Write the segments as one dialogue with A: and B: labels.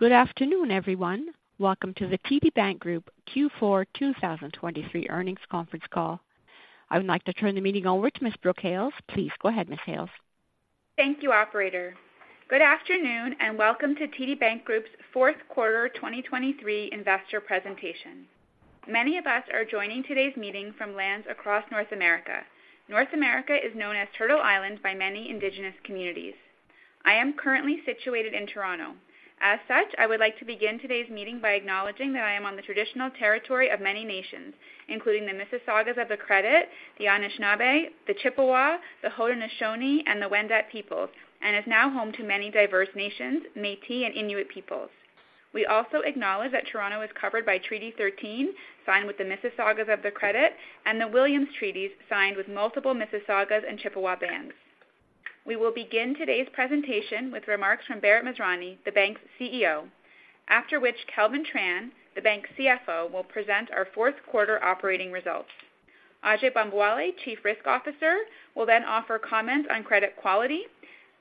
A: Good afternoon, everyone. Welcome to the TD Bank Group Q4 2023 earnings conference call. I would like to turn the meeting over to Miss Brooke Hales. Please go ahead, Miss Hales.
B: Thank you, operator. Good afternoon, and welcome to TD Bank Group's fourth quarter 2023 investor presentation. Many of us are joining today's meeting from lands across North America. North America is known as Turtle Island by many Indigenous communities. I am currently situated in Toronto. As such, I would like to begin today's meeting by acknowledging that I am on the traditional territory of many nations, including the Mississaugas of the Credit, the Anishinaabe, the Chippewa, the Haudenosaunee, and the Wendat peoples, and is now home to many diverse nations, Métis and Inuit peoples. We also acknowledge that Toronto is covered by Treaty Thirteen, signed with the Mississaugas of the Credit, and the Williams Treaties, signed with multiple Mississaugas and Chippewa bands. We will begin today's presentation with remarks from Bharat Masrani, the bank's CEO, after which Kelvin Tran, the bank's CFO, will present our fourth quarter operating results. Ajai Bambawale, Chief Risk Officer, will then offer comments on credit quality,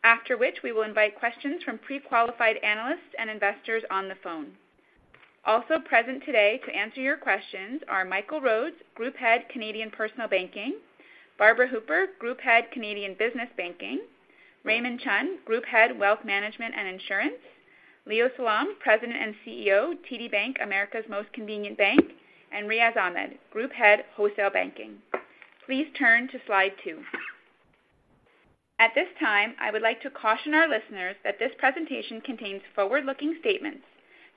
B: after which we will invite questions from pre-qualified analysts and investors on the phone. Also present today to answer your questions are Michael Rhodes, Group Head, Canadian Personal Banking; Barbara Hooper, Group Head, Canadian Business Banking; Raymond Chun, Group Head, Wealth Management and Insurance; Leo Salom, President and CEO, TD Bank, America's Most Convenient Bank; and Riaz Ahmed, Group Head, Wholesale Banking. Please turn to slide two. At this time, I would like to caution our listeners that this presentation contains forward-looking statements,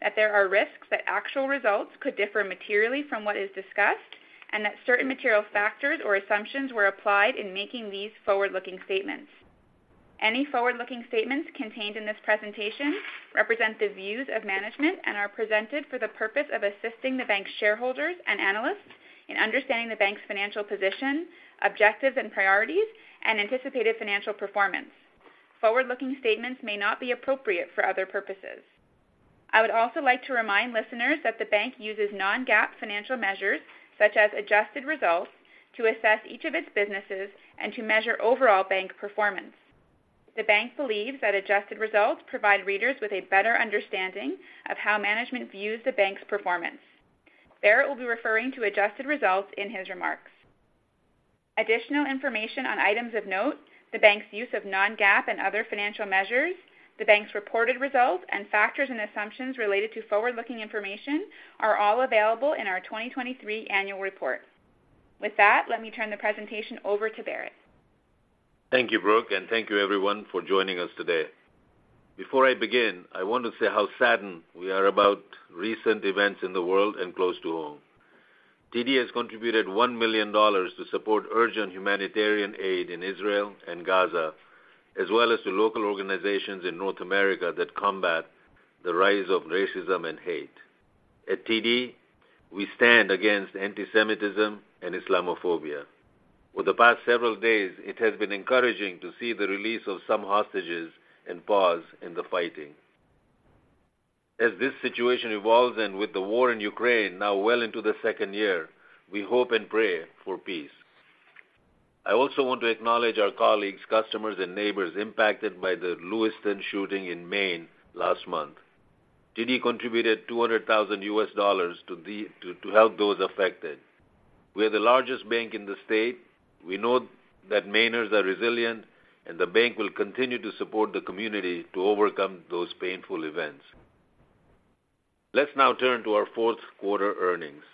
B: that there are risks that actual results could differ materially from what is discussed, and that certain material factors or assumptions were applied in making these forward-looking statements. Any forward-looking statements contained in this presentation represent the views of management and are presented for the purpose of assisting the bank's shareholders and analysts in understanding the bank's financial position, objectives and priorities, and anticipated financial performance. Forward-looking statements may not be appropriate for other purposes. I would also like to remind listeners that the bank uses non-GAAP financial measures, such as adjusted results, to assess each of its businesses and to measure overall bank performance. The bank believes that adjusted results provide readers with a better understanding of how management views the bank's performance. Bharat will be referring to adjusted results in his remarks. Additional information on items of note, the bank's use of non-GAAP and other financial measures, the bank's reported results, and factors and assumptions related to forward-looking information, are all available in our 2023 annual report. With that, let me turn the presentation over to Bharat.
C: Thank you, Brooke, and thank you everyone for joining us today. Before I begin, I want to say how saddened we are about recent events in the world and close to home. TD has contributed 1 million dollars to support urgent humanitarian aid in Israel and Gaza, as well as to local organizations in North America that combat the rise of racism and hate. At TD, we stand against antisemitism and Islamophobia. Over the past several days, it has been encouraging to see the release of some hostages and pause in the fighting. As this situation evolves and with the war in Ukraine now well into the second year, we hope and pray for peace. I also want to acknowledge our colleagues, customers, and neighbors impacted by the Lewiston shooting in Maine last month. TD contributed $200,000 to help those affected. We are the largest bank in the state. We know that Mainers are resilient, and the bank will continue to support the community to overcome those painful events. Let's now turn to our fourth quarter earnings.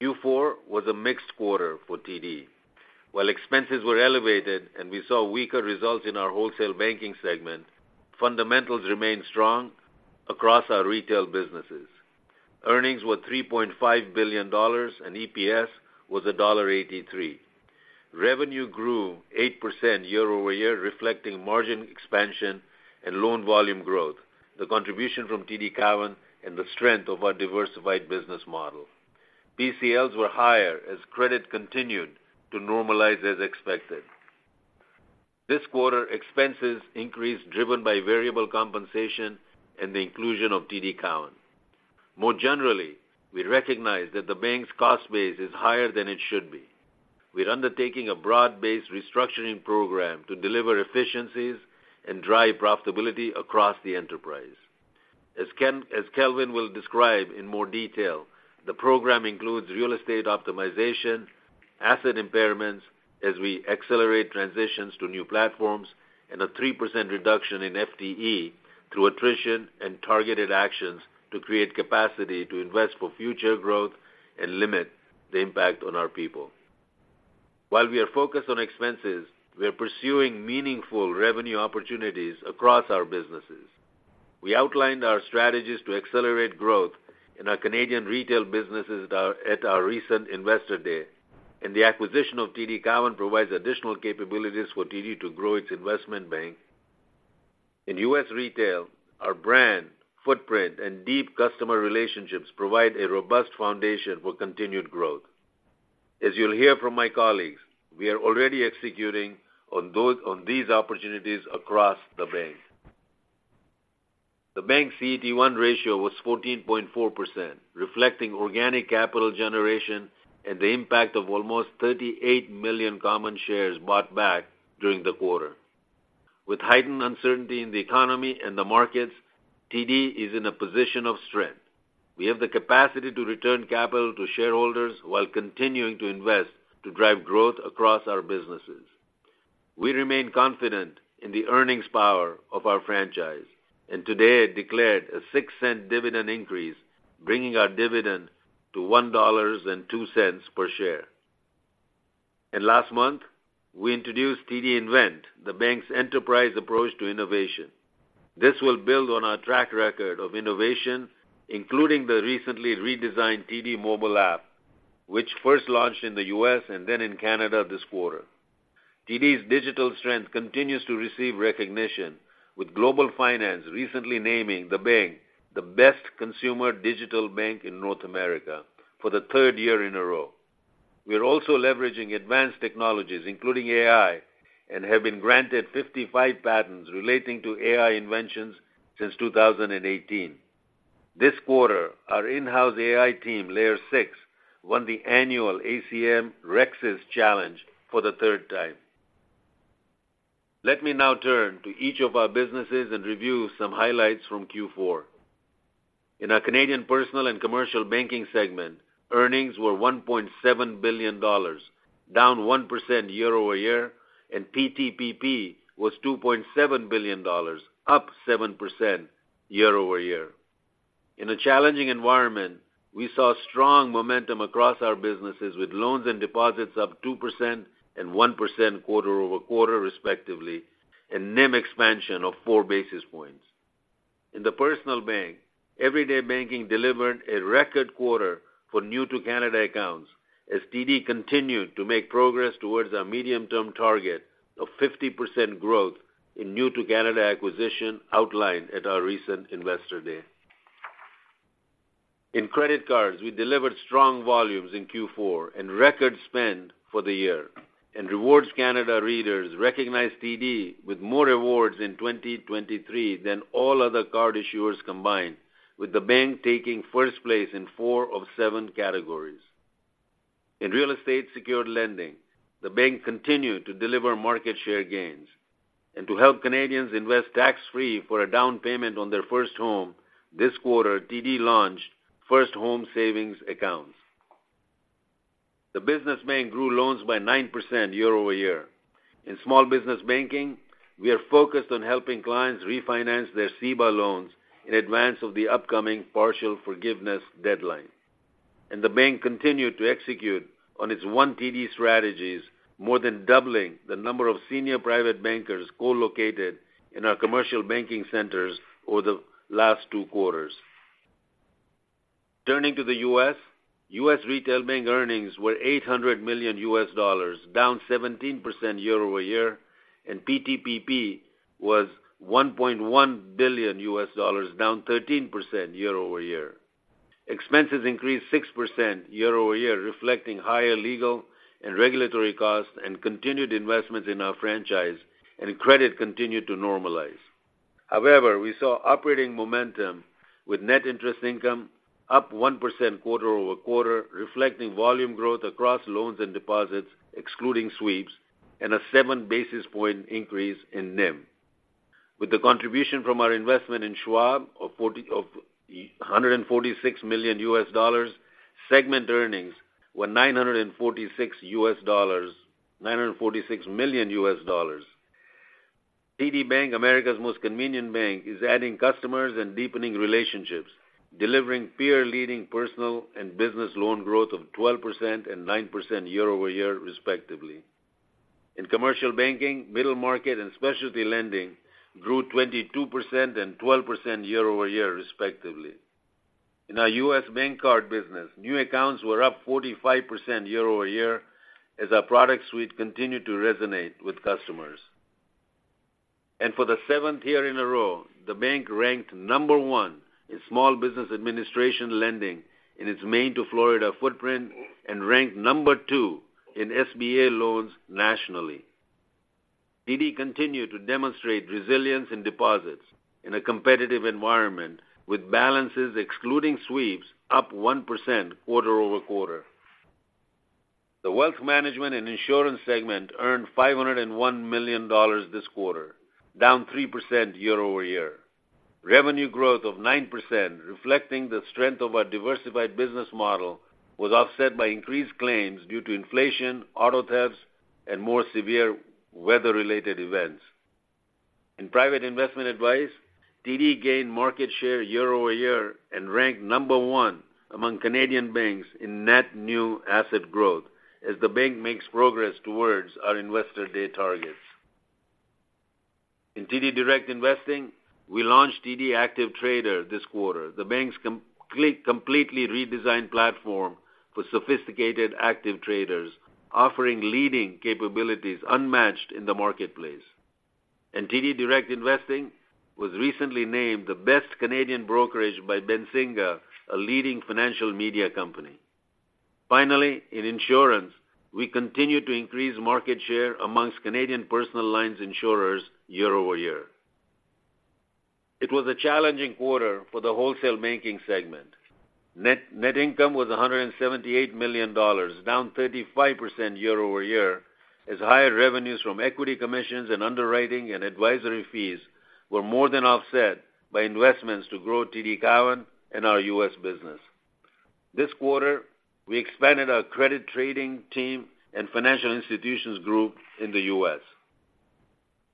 C: Q4 was a mixed quarter for TD. While expenses were elevated and we saw weaker results in our wholesale banking segment, fundamentals remained strong across our retail businesses. Earnings were 3.5 billion dollars, and EPS was dollar 1.83. Revenue grew 8% year-over-year, reflecting margin expansion and loan volume growth, the contribution from TD Cowen, and the strength of our diversified business model. PCLs were higher as credit continued to normalize as expected. This quarter, expenses increased, driven by variable compensation and the inclusion of TD Cowen. More generally, we recognize that the bank's cost base is higher than it should be. We're undertaking a broad-based restructuring program to deliver efficiencies and drive profitability across the enterprise. As Kelvin will describe in more detail, the program includes real estate optimization, asset impairments as we accelerate transitions to new platforms, and a 3% reduction in FTE through attrition and targeted actions to create capacity to invest for future growth and limit the impact on our people. While we are focused on expenses, we are pursuing meaningful revenue opportunities across our businesses. We outlined our strategies to accelerate growth in our Canadian retail businesses at our recent Investor Day, and the acquisition of TD Cowen provides additional capabilities for TD to grow its investment bank. In U.S. retail, our brand, footprint, and deep customer relationships provide a robust foundation for continued growth. As you'll hear from my colleagues, we are already executing on these opportunities across the bank. The bank's CET1 ratio was 14.4%, reflecting organic capital generation and the impact of almost 38 million common shares bought back during the quarter. With heightened uncertainty in the economy and the markets, TD is in a position of strength. We have the capacity to return capital to shareholders while continuing to invest to drive growth across our businesses. We remain confident in the earnings power of our franchise, and today declared a 6-cent dividend increase, bringing our dividend to 1.02 dollars per share. Last month, we introduced TD Invent, the bank's enterprise approach to innovation. This will build on our track record of innovation, including the recently redesigned TD Mobile app, which first launched in the U.S. and then in Canada this quarter. TD's digital strength continues to receive recognition, with Global Finance recently naming the bank the best consumer digital bank in North America for the third year in a row. We are also leveraging advanced technologies, including AI, and have been granted 55 patents relating to AI inventions since 2018. This quarter, our in-house AI team, Layer 6, won the annual ACM RecSys Challenge for the third time. Let me now turn to each of our businesses and review some highlights from Q4. In our Canadian personal and commercial banking segment, earnings were 1.7 billion dollars, down 1% year-over-year, and PTPP was 2.7 billion dollars, up 7% year-over-year. In a challenging environment, we saw strong momentum across our businesses, with loans and deposits up 2% and 1% quarter-over-quarter, respectively, and NIM expansion of 4 basis points. In the personal bank, everyday banking delivered a record quarter for new-to-Canada accounts, as TD continued to make progress towards our medium-term target of 50% growth in new-to-Canada acquisition outlined at our recent Investor Day. In credit cards, we delivered strong volumes in Q4 and record spend for the year, and Rewards Canada readers recognized TD with more rewards in 2023 than all other card issuers combined, with the bank taking first place in four of seven categories. In real estate secured lending, the bank continued to deliver market share gains, and to help Canadians invest tax-free for a down payment on their first home, this quarter, TD launched First Home Savings Accounts. The business bank grew loans by 9% year-over-year. In small business banking, we are focused on helping clients refinance their CEBA loans in advance of the upcoming partial forgiveness deadline. And the bank continued to execute on its One TD strategies, more than doubling the number of senior private bankers co-located in our commercial banking centers over the last 2 quarters. Turning to the U.S., U.S. retail bank earnings were $800 million, down 17% year-over-year, and PTPP was $1.1 billion, down 13% year-over-year. Expenses increased 6% year-over-year, reflecting higher legal and regulatory costs and continued investments in our franchise, and credit continued to normalize. However, we saw operating momentum with net interest income up 1% quarter-over-quarter, reflecting volume growth across loans and deposits, excluding sweeps, and a 7 basis point increase in NIM. With the contribution from our investment in Schwab of $146 million, segment earnings were $946 million. TD Bank, America's Most Convenient Bank, is adding customers and deepening relationships, delivering peer-leading personal and business loan growth of 12% and 9% year-over-year, respectively. In commercial banking, middle market and specialty lending grew 22% and 12% year-over-year, respectively. In our U.S. bank card business, new accounts were up 45% year-over-year as our product suite continued to resonate with customers. And for the seventh year in a row, the bank ranked number one in Small Business Administration lending in its Maine to Florida footprint, and ranked number two in SBA loans nationally. TD continued to demonstrate resilience in deposits in a competitive environment, with balances excluding sweeps, up 1% quarter-over-quarter. The Wealth Management and Insurance segment earned $501 million this quarter, down 3% year-over-year. Revenue growth of 9%, reflecting the strength of our diversified business model, was offset by increased claims due to inflation, auto thefts, and more severe weather-related events. In private investment advice, TD gained market share year-over-year and ranked number one among Canadian banks in net new asset growth as the bank makes progress towards our investor day targets. In TD Direct Investing, we launched TD Active Trader this quarter, the bank's completely redesigned platform for sophisticated active traders, offering leading capabilities unmatched in the marketplace. TD Direct Investing was recently named the best Canadian brokerage by Benzinga, a leading financial media company. Finally, in insurance, we continued to increase market share amongst Canadian personal lines insurers year-over-year. It was a challenging quarter for the wholesale banking segment. Net income was $178 million, down 35% year-over-year, as higher revenues from equity commissions and underwriting and advisory fees were more than offset by investments to grow TD Cowen and our U.S. business. This quarter, we expanded our credit trading team and financial institutions group in the U.S.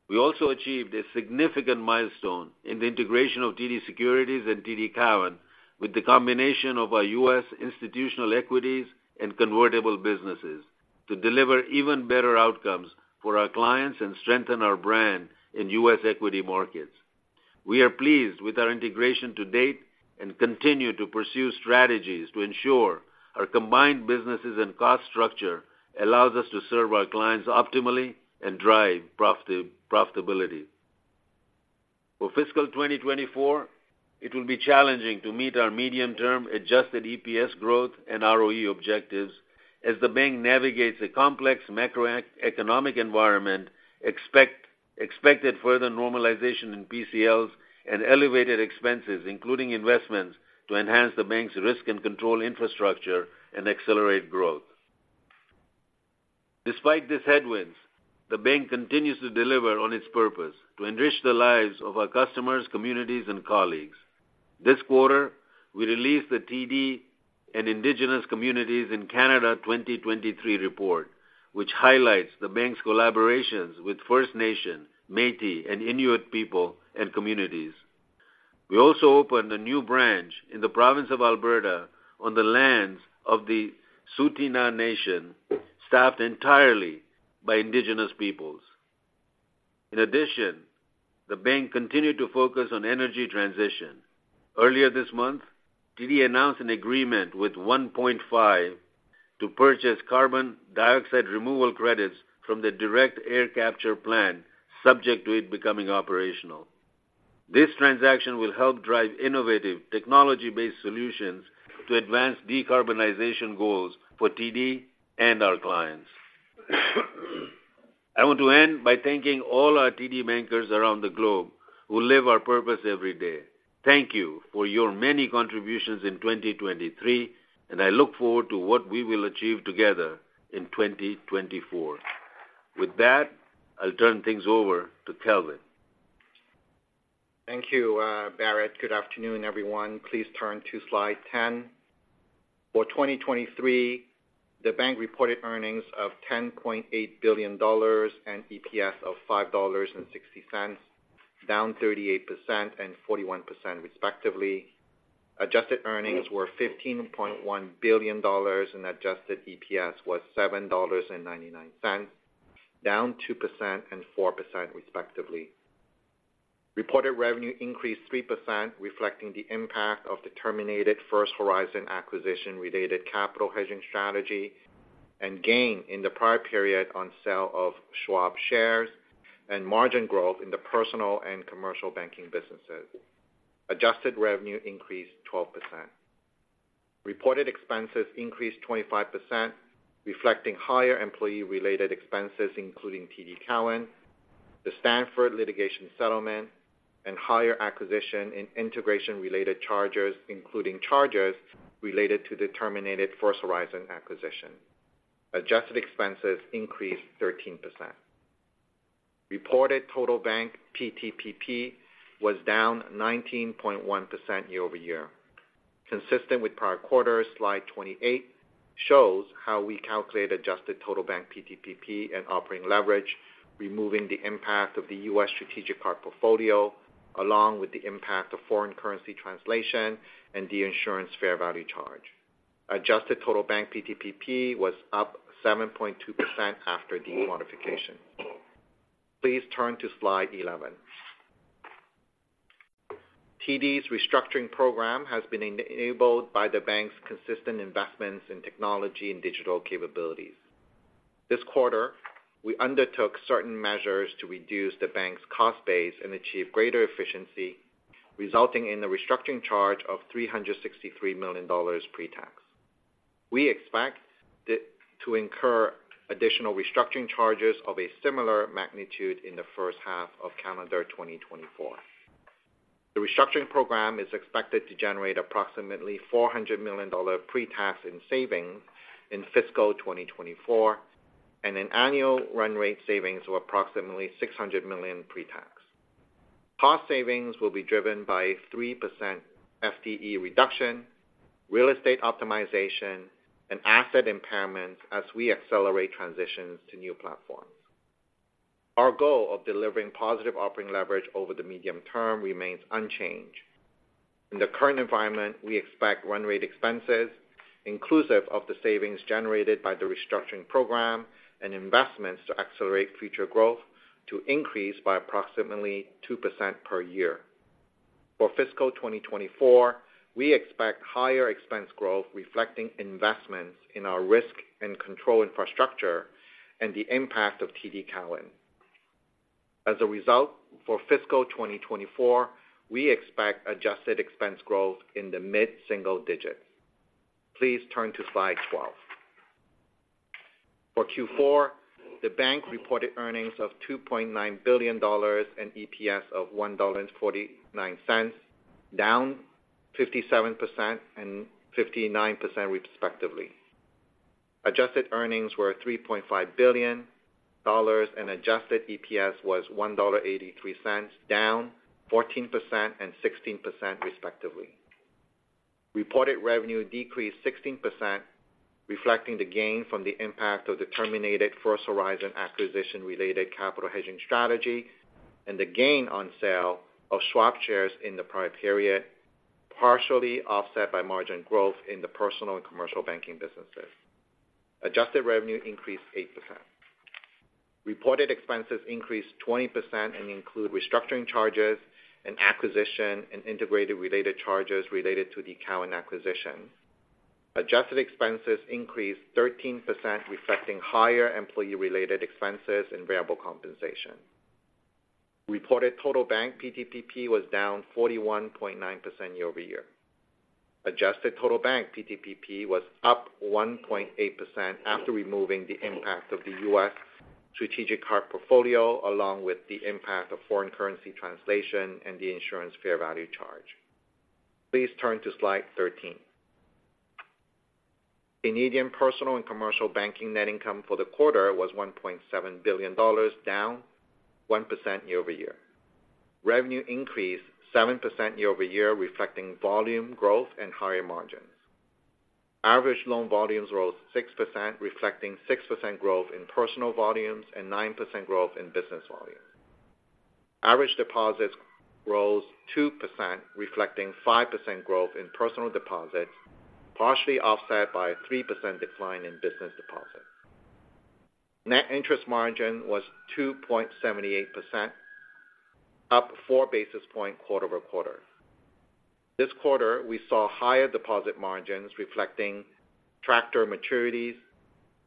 C: We also achieved a significant milestone in the integration of TD Securities and TD Cowen with the combination of our U.S. institutional equities and convertible businesses, to deliver even better outcomes for our clients and strengthen our brand in U.S. equity markets. We are pleased with our integration to date and continue to pursue strategies to ensure our combined businesses and cost structure allows us to serve our clients optimally and drive profitability. For fiscal 2024, it will be challenging to meet our medium-term adjusted EPS growth and ROE objectives as the bank navigates a complex macroeconomic environment, expected further normalization in PCLs and elevated expenses, including investments, to enhance the bank's risk and control infrastructure and accelerate growth. Despite these headwinds, the bank continues to deliver on its purpose: to enrich the lives of our customers, communities, and colleagues. This quarter, we released the TD and Indigenous Communities in Canada 2023 report, which highlights the bank's collaborations with First Nation, Métis, and Inuit people and communities. We also opened a new branch in the province of Alberta on the lands of the Tsuut'ina Nation, staffed entirely by Indigenous peoples. In addition, the bank continued to focus on energy transition. Earlier this month, TD announced an agreement with 1PointFive, to purchase carbon dioxide removal credits from the direct air capture plant, subject to it becoming operational. This transaction will help drive innovative, technology-based solutions to advance decarbonization goals for TD and our clients. I want to end by thanking all our TD bankers around the globe who live our purpose every day. Thank you for your many contributions in 2023, and I look forward to what we will achieve together in 2024. With that, I'll turn things over to Kelvin.
D: Thank you, Barrett. Good afternoon, everyone. Please turn to slide 10. For 2023, the bank reported earnings of 10.8 billion dollars and EPS of 5.60 dollars, down 38% and 41% respectively. Adjusted earnings were 15.1 billion dollars, and adjusted EPS was 7.99 dollars, down 2% and 4% respectively. Reported revenue increased 3%, reflecting the impact of the terminated First Horizon acquisition-related capital hedging strategy, and gain in the prior period on sale of Schwab shares and margin growth in the personal and commercial banking businesses. Adjusted revenue increased 12%. Reported expenses increased 25%, reflecting higher employee-related expenses, including TD Cowen, the Stanford litigation settlement, and higher acquisition and integration-related charges, including charges related to the terminated First Horizon acquisition. Adjusted expenses increased 13%. Reported total bank PTPP was down 19.1% year-over-year. Consistent with prior quarters, slide 28 shows how we calculate adjusted total bank PTPP and operating leverage, removing the impact of the U.S. strategic partner portfolio, along with the impact of foreign currency translation and the insurance fair value charge. Adjusted total bank PTPP was up 7.2% after the modification. Please turn to slide 11. TD's restructuring program has been enabled by the bank's consistent investments in technology and digital capabilities. This quarter, we undertook certain measures to reduce the bank's cost base and achieve greater efficiency, resulting in a restructuring charge of 363 million dollars pre-tax. We expect it to incur additional restructuring charges of a similar magnitude in the first half of calendar 2024. The restructuring program is expected to generate approximately 400 million dollar pre-tax in savings in fiscal 2024, and an annual run rate savings of approximately 600 million pre-tax. Cost savings will be driven by 3% FTE reduction, real estate optimization, and asset impairments as we accelerate transitions to new platforms. Our goal of delivering positive operating leverage over the medium term remains unchanged. In the current environment, we expect run rate expenses, inclusive of the savings generated by the restructuring program and investments to accelerate future growth, to increase by approximately 2% per year. For fiscal 2024, we expect higher expense growth, reflecting investments in our risk and control infrastructure and the impact of TD Cowen. As a result, for fiscal 2024, we expect adjusted expense growth in the mid-single digits. Please turn to slide 12. For Q4, the bank reported earnings of 2.9 billion dollars and EPS of 1.49 dollar, down 57% and 59% respectively. Adjusted earnings were 3.5 billion dollars, and adjusted EPS was 1.83 dollar, down 14% and 16% respectively. Reported revenue decreased 16%, reflecting the gain from the impact of the terminated First Horizon acquisition-related capital hedging strategy and the gain on sale of Schwab shares in the prior period, partially offset by margin growth in the personal and commercial banking businesses. Adjusted revenue increased 8%. Reported expenses increased 20% and include restructuring charges and acquisition and integrated related charges related to the Cowen acquisition. Adjusted expenses increased 13%, reflecting higher employee-related expenses and variable compensation. Reported total bank PTPP was down 41.9% year-over-year. Adjusted total bank PTPP was up 1.8% after removing the impact of the U.S. strategic card portfolio, along with the impact of foreign currency translation and the insurance fair value charge. Please turn to slide 13. Canadian Personal and Commercial Banking net income for the quarter was 1.7 billion dollars, down 1% year-over-year. Revenue increased 7% year-over-year, reflecting volume growth and higher margins. Average loan volumes rose 6%, reflecting 6% growth in personal volumes and 9% growth in business volumes. Average deposits rose 2%, reflecting 5% growth in personal deposits, partially offset by a 3% decline in business deposits. Net interest margin was 2.78%, up 4 basis points quarter-over-quarter. This quarter, we saw higher deposit margins reflecting CD maturities,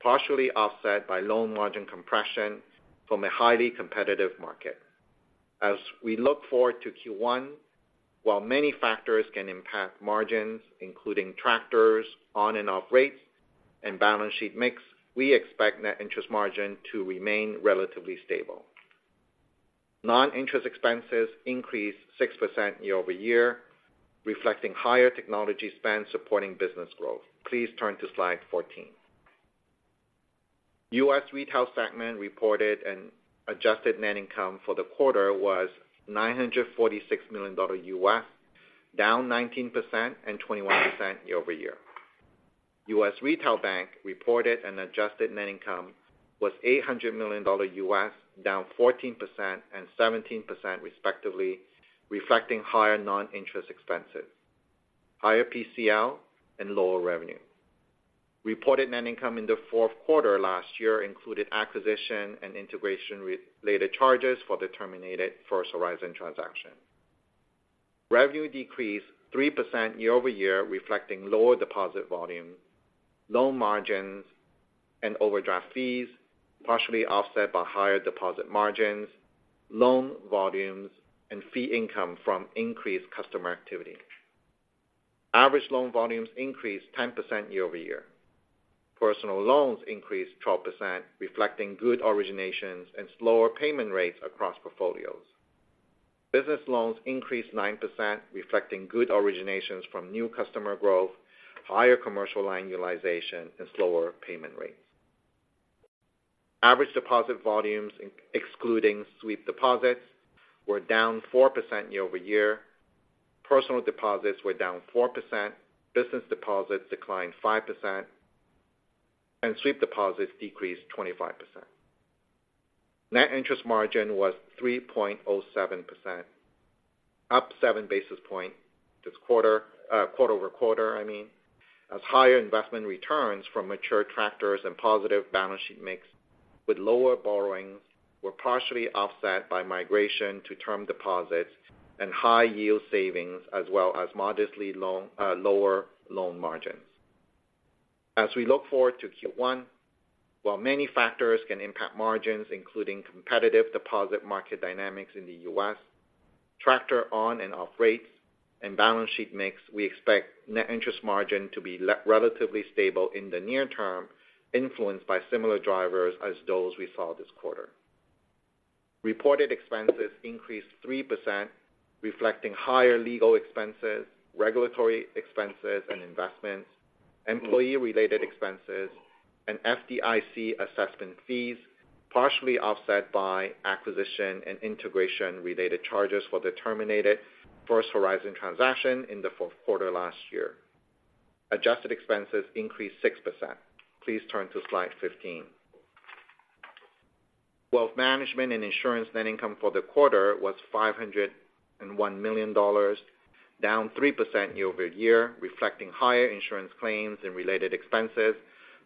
D: partially offset by loan margin compression from a highly competitive market. As we look forward to Q1, while many factors can impact margins, including CDs, on- and off-rates, and balance sheet mix, we expect net interest margin to remain relatively stable. Non-interest expenses increased 6% year-over-year, reflecting higher technology spend supporting business growth. Please turn to slide 14. U.S. Retail segment reported an adjusted net income for the quarter was $946 million, down 19% and 21% year-over-year. U.S. Retail Bank reported an adjusted net income was $800 million, down 14% and 17% respectively, reflecting higher non-interest expenses, higher PCL and lower revenue. Reported net income in the fourth quarter last year included acquisition and integration related charges for the terminated First Horizon transaction. Revenue decreased 3% year-over-year, reflecting lower deposit volumes, loan margins, and overdraft fees, partially offset by higher deposit margins, loan volumes, and fee income from increased customer activity. Average loan volumes increased 10% year-over-year. Personal loans increased 12%, reflecting good originations and slower payment rates across portfolios. Business loans increased 9%, reflecting good originations from new customer growth, higher commercial annualization, and slower payment rates. Average deposit volumes, excluding sweep deposits, were down 4% year-over-year. Personal deposits were down 4%, business deposits declined 5%, and sweep deposits decreased 25%. Net interest margin was 3.07%, up 7 basis points quarter-over-quarter, I mean, as higher investment returns from mature tractors and positive balance sheet mix with lower borrowings were partially offset by migration to term deposits and high yield savings, as well as modestly lower loan margins. As we look forward to Q1, while many factors can impact margins, including competitive deposit market dynamics in the U.S., tractor on and off rates, and balance sheet mix, we expect net interest margin to be relatively stable in the near term, influenced by similar drivers as those we saw this quarter. Reported expenses increased 3%, reflecting higher legal expenses, regulatory expenses and investments, employee-related expenses, and FDIC assessment fees, partially offset by acquisition and integration-related charges for the terminated First Horizon transaction in the fourth quarter last year. Adjusted expenses increased 6%. Please turn to slide 15. Wealth management and insurance net income for the quarter was 501 million dollars, down 3% year-over-year, reflecting higher insurance claims and related expenses,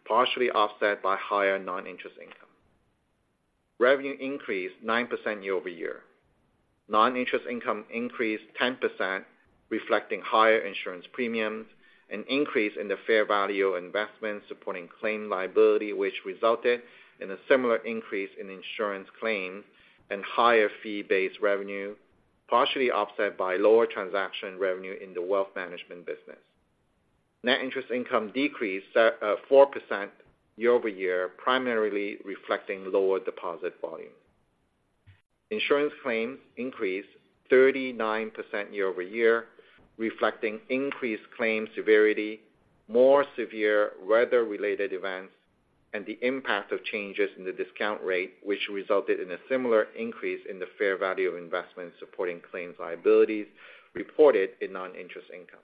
D: partially offset by higher non-interest income. Revenue increased 9% year-over-year. Non-interest income increased 10%, reflecting higher insurance premiums, an increase in the fair value of investments supporting claim liability, which resulted in a similar increase in insurance claims and higher fee-based revenue.... partially offset by lower transaction revenue in the wealth management business. Net interest income decreased four percent year-over-year, primarily reflecting lower deposit volume. Insurance claims increased 39% year-over-year, reflecting increased claims severity, more severe weather-related events, and the impact of changes in the discount rate, which resulted in a similar increase in the fair value of investments supporting claims liabilities reported in non-interest income.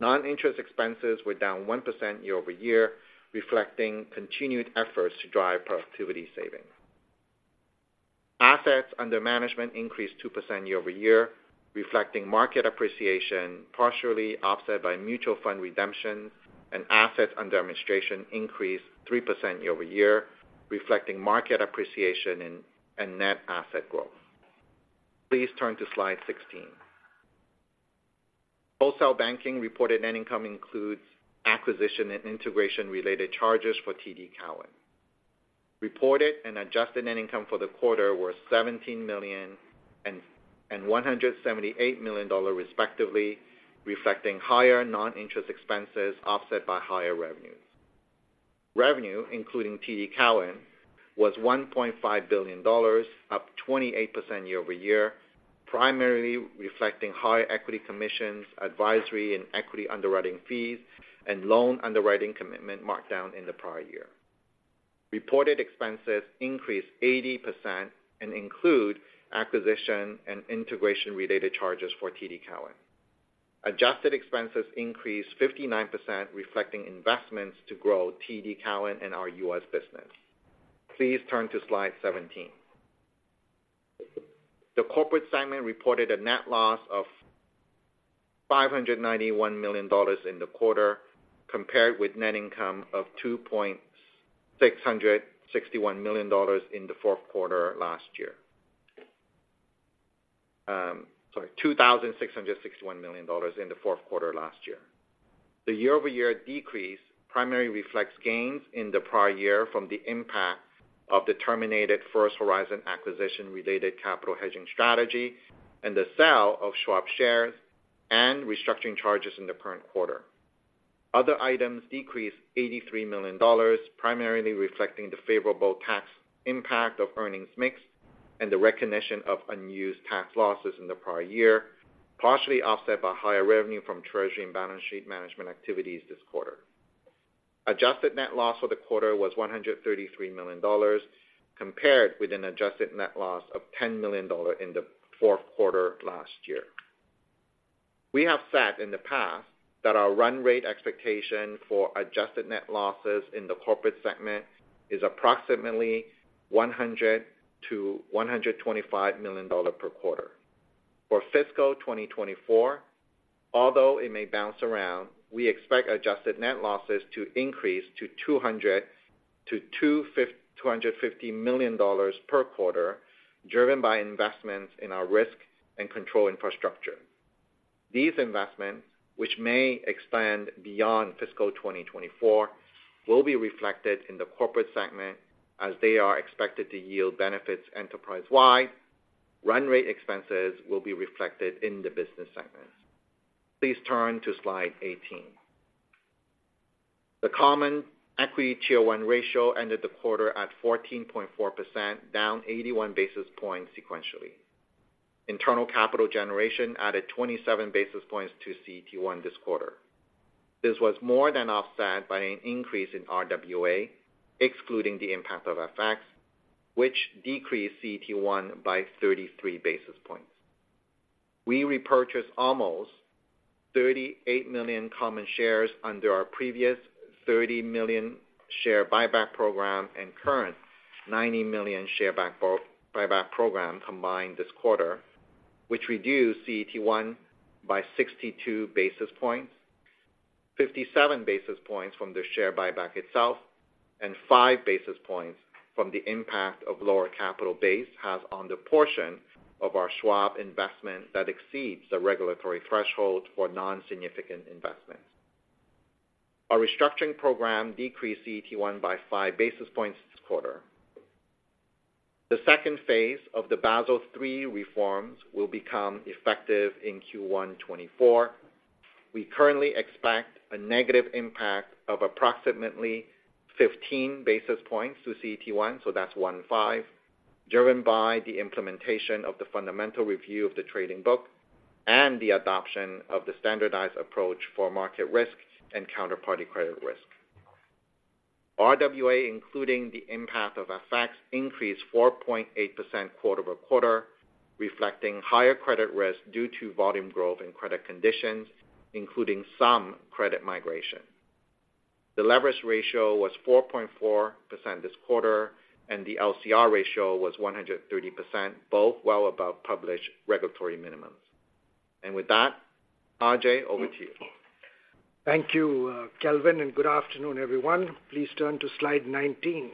D: Non-interest expenses were down 1% year-over-year, reflecting continued efforts to drive productivity savings. Assets under management increased 2% year-over-year, reflecting market appreciation, partially offset by mutual fund redemptions and assets under administration increased 3% year-over-year, reflecting market appreciation and net asset growth. Please turn to slide 16. Wholesale Banking reported net income includes acquisition and integration-related charges for TD Cowen. Reported and adjusted net income for the quarter were 17 million and 178 million dollar, respectively, reflecting higher non-interest expenses offset by higher revenues. Revenue, including TD Cowen, was 1.5 billion dollars, up 28% year-over-year, primarily reflecting higher equity commissions, advisory and equity underwriting fees, and loan underwriting commitment marked down in the prior year. Reported expenses increased 80% and include acquisition and integration-related charges for TD Cowen. Adjusted expenses increased 59%, reflecting investments to grow TD Cowen and our U.S. business. Please turn to slide 17. The corporate segment reported a net loss of 591 million dollars in the quarter, compared with net income of 2,661 million dollars in the fourth quarter last year. The year-over-year decrease primarily reflects gains in the prior year from the impact of the terminated First Horizon acquisition-related capital hedging strategy and the sale of Schwab shares and restructuring charges in the current quarter. Other items decreased 83 million dollars, primarily reflecting the favorable tax impact of earnings mix and the recognition of unused tax losses in the prior year, partially offset by higher revenue from treasury and balance sheet management activities this quarter. Adjusted net loss for the quarter was 133 million dollars, compared with an adjusted net loss of 10 million dollars in the fourth quarter last year. We have said in the past that our run rate expectation for adjusted net losses in the corporate segment is approximately 100 million-125 million dollar per quarter. For fiscal 2024, although it may bounce around, we expect adjusted net losses to increase to 200 million-250 million dollars per quarter, driven by investments in our risk and control infrastructure. These investments, which may expand beyond fiscal 2024, will be reflected in the corporate segment as they are expected to yield benefits enterprise-wide. Run rate expenses will be reflected in the business segments. Please turn to slide 18. The Common Equity Tier 1 ratio ended the quarter at 14.4%, down 81 basis points sequentially. Internal capital generation added 27 basis points to CET1 this quarter. This was more than offset by an increase in RWA, excluding the impact of FX, which decreased CET1 by 33 basis points. We repurchased almost 38 million common shares under our previous 30 million share buyback program and current 90 million share buyback program combined this quarter, which reduced CET1 by 62 basis points. 57 basis points from the share buyback itself, and 5 basis points from the impact of lower capital base has on the portion of our Schwab investment that exceeds the regulatory threshold for non-significant investments. Our restructuring program decreased CET1 by 5 basis points this quarter. The second phase of the Basel III reforms will become effective in Q1 2024. We currently expect a negative impact of approximately 15 basis points to CET1, so that's 15, driven by the implementation of the fundamental review of the trading book and the adoption of the standardized approach for market risk and counterparty credit risk. RWA, including the impact of FX, increased 4.8% quarter-over-quarter, reflecting higher credit risk due to volume growth and credit conditions, including some credit migration. The leverage ratio was 4.4% this quarter, and the LCR ratio was 130%, both well above published regulatory minimums. With that, Ajai, over to you.
E: Thank you, Kelvin, and good afternoon, everyone. Please turn to slide 19.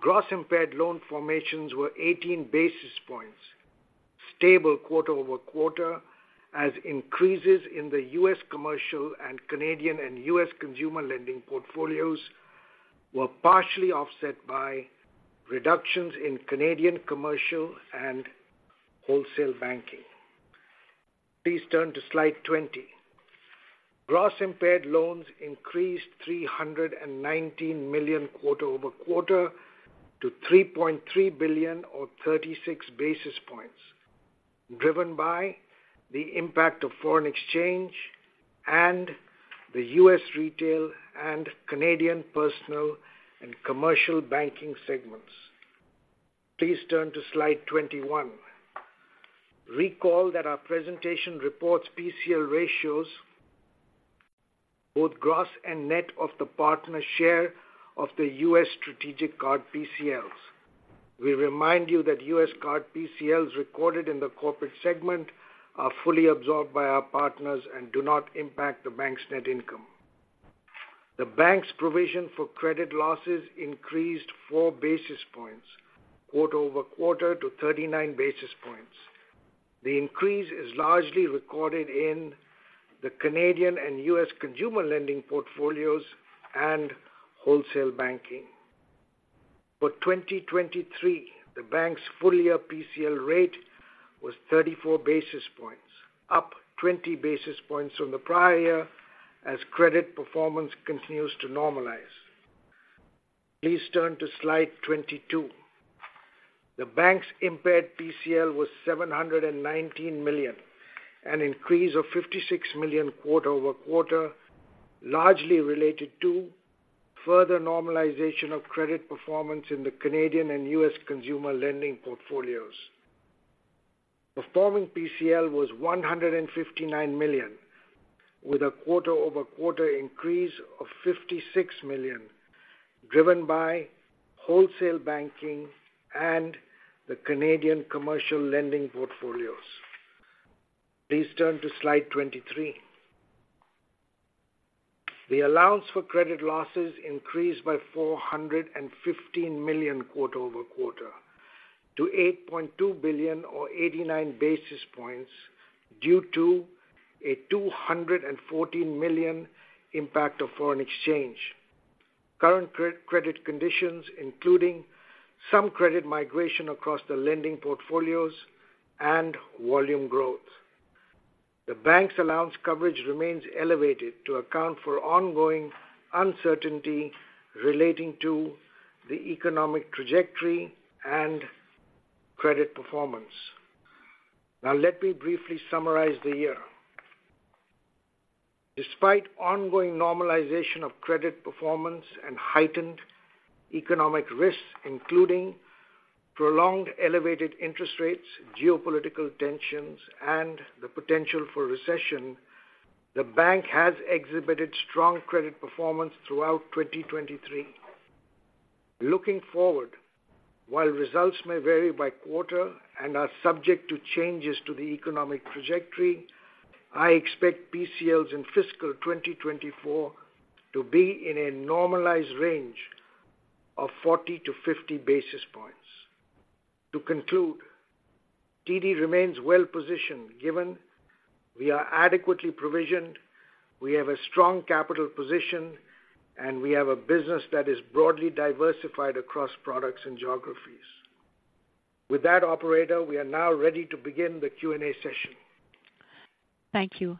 E: Gross impaired loan formations were 18 basis points, stable quarter-over-quarter, as increases in the U.S. commercial and Canadian and U.S. consumer lending portfolios were partially offset by reductions in Canadian commercial and wholesale banking. Please turn to slide 20. Gross impaired loans increased 319 million quarter-over-quarter to 3.3 billion, or 36 basis points, driven by the impact of foreign exchange and the U.S. retail and Canadian personal and commercial banking segments. Please turn to slide 21. Recall that our presentation reports PCL ratios, both gross and net, of the partner share of the U.S. strategic card PCLs. We remind you that U.S. card PCLs recorded in the corporate segment are fully absorbed by our partners and do not impact the bank's net income. The bank's provision for credit losses increased 4 basis points quarter-over-quarter to 39 basis points. The increase is largely recorded in the Canadian and U.S. consumer lending portfolios and wholesale banking. For 2023, the bank's full year PCL rate was 34 basis points, up 20 basis points from the prior year as credit performance continues to normalize. Please turn to Slide 22. The bank's impaired PCL was 719 million, an increase of 56 million quarter-over-quarter, largely related to further normalization of credit performance in the Canadian and U.S. consumer lending portfolios. Performing PCL was 159 million, with a quarter-over-quarter increase of 56 million, driven by wholesale banking and the Canadian commercial lending portfolios. Please turn to Slide 23. The allowance for credit losses increased by 415 million quarter-over-quarter, to 8.2 billion or 89 basis points, due to a 214 million impact of foreign exchange, current credit conditions, including some credit migration across the lending portfolios and volume growth. The bank's allowance coverage remains elevated to account for ongoing uncertainty relating to the economic trajectory and credit performance. Now, let me briefly summarize the year. Despite ongoing normalization of credit performance and heightened economic risks, including prolonged elevated interest rates, geopolitical tensions, and the potential for recession, the bank has exhibited strong credit performance throughout 2023. Looking forward, while results may vary by quarter and are subject to changes to the economic trajectory, I expect PCLs in fiscal 2024 to be in a normalized range of 40-50 basis points. To conclude, TD remains well positioned, given we are adequately provisioned, we have a strong capital position, and we have a business that is broadly diversified across products and geographies. With that, operator, we are now ready to begin the Q&A session.
A: Thank you.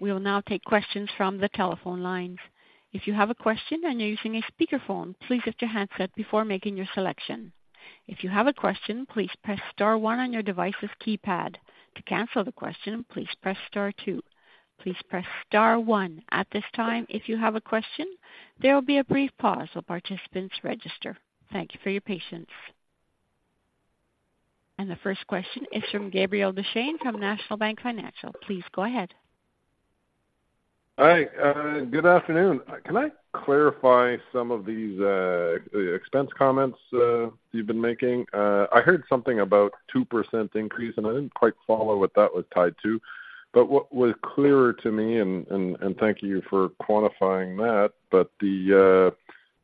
A: We will now take questions from the telephone lines. If you have a question and you're using a speakerphone, please lift your handset before making your selection. If you have a question, please press star one on your device's keypad. To cancel the question, please press star two. Please press star one at this time if you have a question. There will be a brief pause while participants register. Thank you for your patience. The first question is from Gabriel Dechaine, from National Bank Financial. Please go ahead.
F: Hi, good afternoon. Can I clarify some of these, expense comments, you've been making? I heard something about 2% increase, and I didn't quite follow what that was tied to. But what was clearer to me, and thank you for quantifying that, but the, you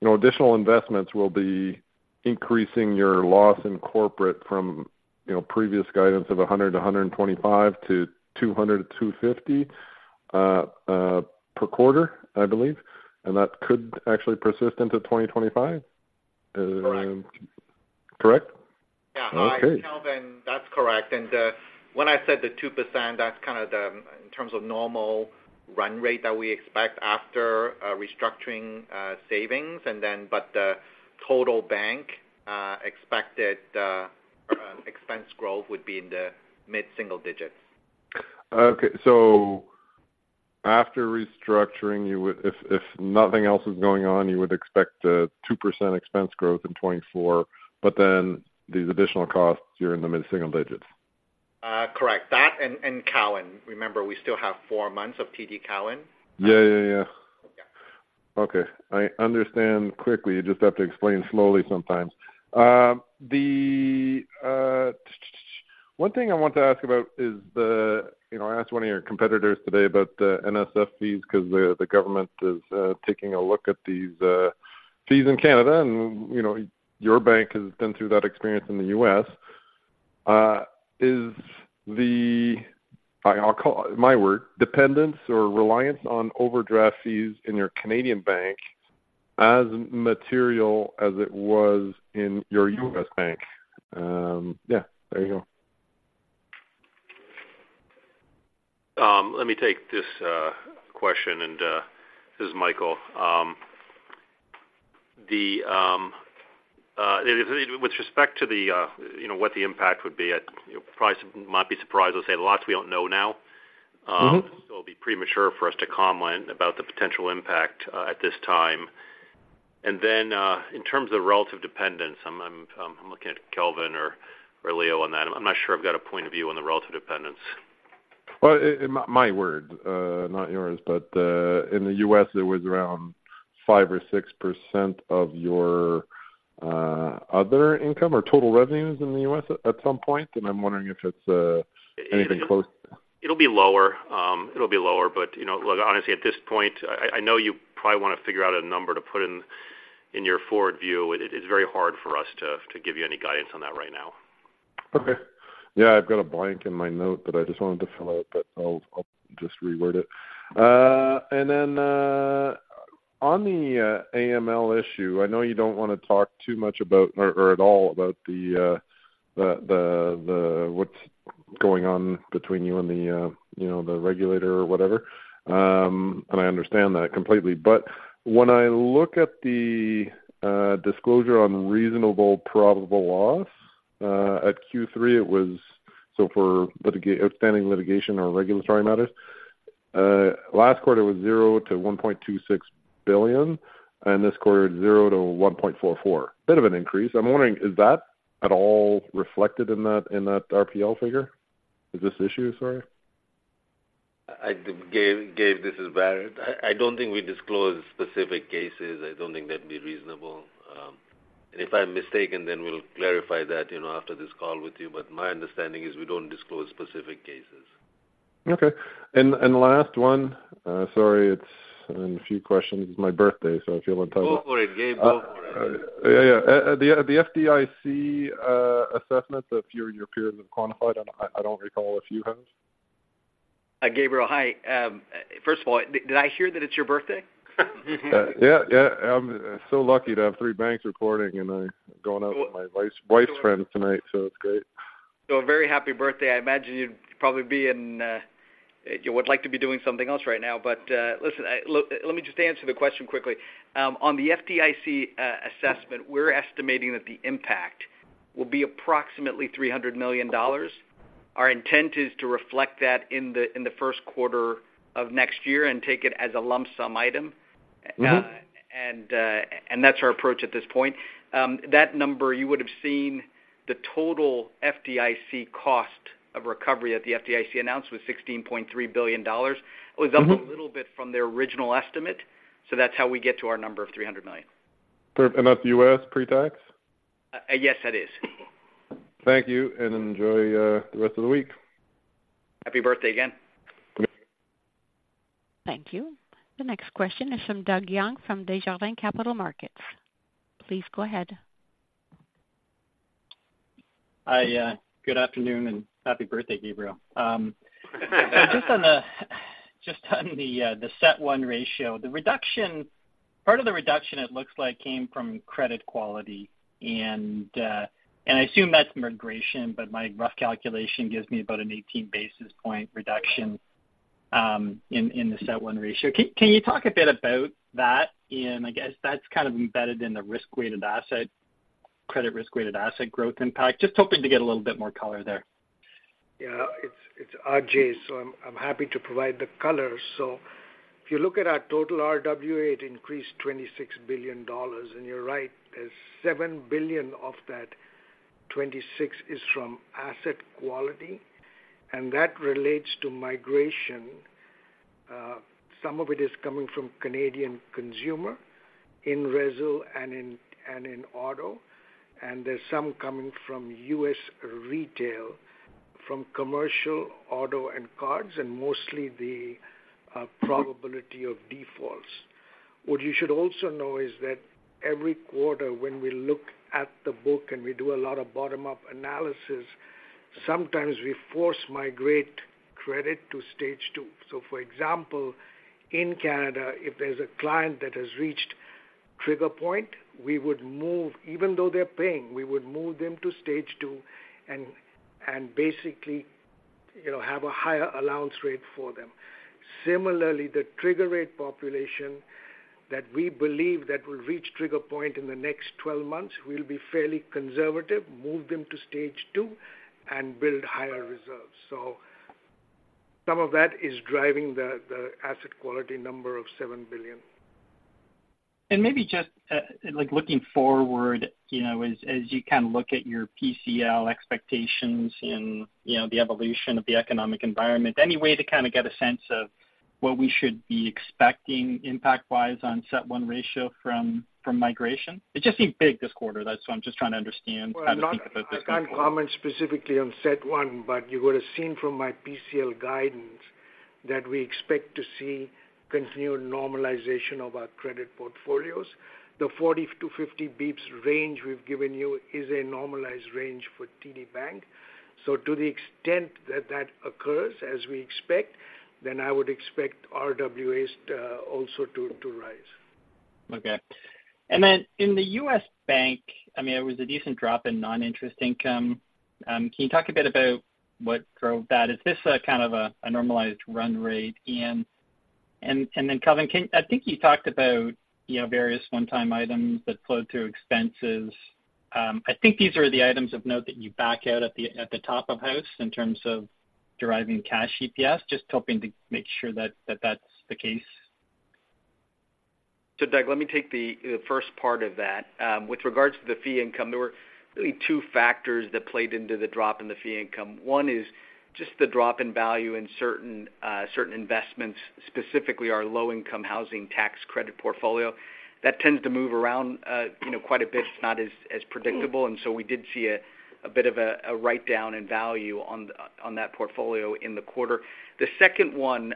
F: know, additional investments will be increasing your loss in corporate from, you know, previous guidance of 100-125 to 200-250, per quarter, I believe, and that could actually persist into 2025?
E: Correct.
F: Correct?
E: Yeah.
F: Okay.
E: Hi, Kelvin. That's correct. And, when I said the 2%, that's kind of the, in terms of normal run rate that we expect after, restructuring, savings, and then but the total bank, expected, expense growth would be in the mid-single digits.
F: Okay. So after restructuring, you would—if, if nothing else is going on, you would expect a 2% expense growth in 2024, but then these additional costs, you're in the mid-single digits?
E: Correct. That and Cowen. Remember, we still have four months of TD Cowen.
F: Yeah, yeah, yeah.
E: Yeah.
F: Okay, I understand quickly. You just have to explain slowly sometimes. One thing I want to ask about is the—you know, I asked one of your competitors today about the NSF fees because the government is taking a look at these fees in Canada, and, you know, your bank has been through that experience in the U.S. Is the—I'll call it, my word, dependence or reliance on overdraft fees in your Canadian bank as material as it was in your U.S. bank? Yeah, there you go.
E: Let me take this question, and this is Michael. With respect to, you know, what the impact would be, I'd, you know, probably might be surprised to say there's a lot we don't know now.
F: Mm-hmm.
G: So it'll be premature for us to comment about the potential impact at this time. Then, in terms of relative dependence, I'm looking at Kelvin or Leo on that. I'm not sure I've got a point of view on the relative dependence.
F: Well, in my words, not yours, but, in the U.S., it was around 5% or 6% of your other income or total revenues in the U.S. at some point, and I'm wondering if it's anything close?
E: It'll be lower. It'll be lower, but, you know, look, honestly, at this point, I, I know you probably want to figure out a number to put in, in your forward view. It is very hard for us to, to give you any guidance on that right now.
F: Okay. Yeah, I've got a blank in my note that I just wanted to fill out, but I'll just reword it. Then, on the AML issue, I know you don't want to talk too much about or at all about the what's going on between you and the you know, the regulator or whatever. I understand that completely. But when I look at the disclosure on reasonable probable loss, at Q3, it was... So for outstanding litigation or regulatory matters, last quarter was 0-1.26 billion, and this quarter, 0-1.44 billion. Bit of an increase. I'm wondering, is that at all reflected in that, in that RPL figure? Is this issue, sorry?
C: Hi, Gabe, this is Bharat. I don't think we disclose specific cases. I don't think that'd be reasonable. And if I'm mistaken, then we'll clarify that, you know, after this call with you. But my understanding is we don't disclose specific cases.
F: Okay. And the last one, sorry, it's been a few questions. It's my birthday, so if you have time-
C: Go for it, Gabe. Go for it.
F: Yeah, yeah. The FDIC assessment that your peers have quantified, and I don't recall if you have.
H: Gabriel, hi. First of all, did I hear that it's your birthday?
F: Yeah, yeah. I'm so lucky to have three banks reporting, and I'm going out with my wife, wife's friends tonight, so it's great.
H: So a very happy birthday. I imagine you'd probably be in, you would like to be doing something else right now. But, listen, let me just answer the question quickly. On the FDIC assessment, we're estimating that the impact will be approximately $300 million. Our intent is to reflect that in the first quarter of next year and take it as a lump sum item.
F: Mm-hmm.
H: And that's our approach at this point. That number, you would have seen the total FDIC cost of recovery at the FDIC announced was $16.3 billion.
F: Mm-hmm.
H: It was up a little bit from their original estimate, so that's how we get to our number of $300 million.
F: That's U.S. pre-tax?
H: Yes, that is.
F: Thank you, and enjoy the rest of the week.
H: Happy birthday again.
F: Thank you.
A: Thank you. The next question is from Doug Young, from Desjardins Capital Markets. Please go ahead.
I: Hi, good afternoon, and happy birthday, Gabriel. So just on the CET1 ratio, the reduction, part of the reduction, it looks like, came from credit quality, and I assume that's migration, but my rough calculation gives me about an 18 basis point reduction in the CET1 ratio. Can you talk a bit about that? And I guess that's kind of embedded in the risk-weighted asset, credit risk-weighted asset growth impact. Just hoping to get a little bit more color there.
E: Yeah, it's RJ, so I'm happy to provide the color. So if you look at our total RWA, it increased $26 billion. And you're right, there's $7 billion of that 26 is from asset quality, and that relates to migration. Some of it is coming from Canadian consumer in resi and in auto, and there's some coming from U.S. retail, from commercial, auto, and cards, and mostly the probability of defaults. What you should also know is that every quarter, when we look at the book and we do a lot of bottom-up analysis, sometimes we force migrate credit to stage two. So for example, in Canada, if there's a client that has reached trigger point, we would move... even though they're paying, we would move them to stage two and basically, you know, have a higher allowance rate for them. Similarly, the trigger rate population that we believe that will reach trigger point in the next 12 months, we'll be fairly conservative, move them to stage two and build higher reserves. So some of that is driving the asset quality number of 7 billion.
I: Maybe just, like, looking forward, you know, as, as you kind of look at your PCL expectations and, you know, the evolution of the economic environment, any way to kind of get a sense of what we should be expecting impact-wise on CET1 ratio from, from migration? It just seemed big this quarter. That's why I'm just trying to understand how to think about this quarter.
E: I can't comment specifically on SET one, but you would have seen from my PCL guidance that we expect to see continued normalization of our credit portfolios. The 40-50 bps range we've given you is a normalized range for TD Bank. So to the extent that that occurs, as we expect, then I would expect RWAs also to rise.
I: Okay. And then in the U.S. Bank, I mean, it was a decent drop in non-interest income. Can you talk a bit about what drove that? Is this a kind of a normalized run rate, Ian? And then, Kelvin, I think you talked about, you know, various one-time items that flowed through expenses. I think these are the items of note that you back out at the top of house in terms of deriving cash EPS. Just hoping to make sure that that's the case.
H: So Doug, let me take the first part of that. With regards to the fee income, there were really two factors that played into the drop in the fee income. One is just the drop in value in certain investments, specifically our Low-Income Housing Tax Credit portfolio. That tends to move around, you know, quite a bit. It's not as predictable, and so we did see a bit of a write-down in value on that portfolio in the quarter. The second one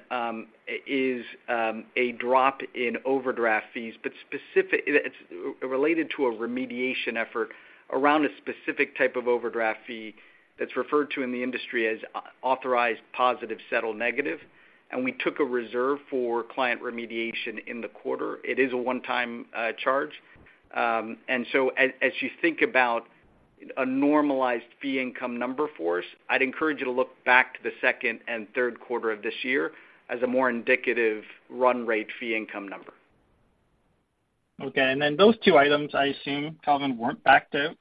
H: is a drop in overdraft fees, but it's related to a remediation effort around a specific type of overdraft fee that's referred to in the industry as authorized positive settle negative, and we took a reserve for client remediation in the quarter. It is a one-time charge. And so as you think about a normalized fee income number for us, I'd encourage you to look back to the second and third quarter of this year as a more indicative run rate fee income number.
I: Okay, and then those two items, I assume, Kelvin, weren't backed out?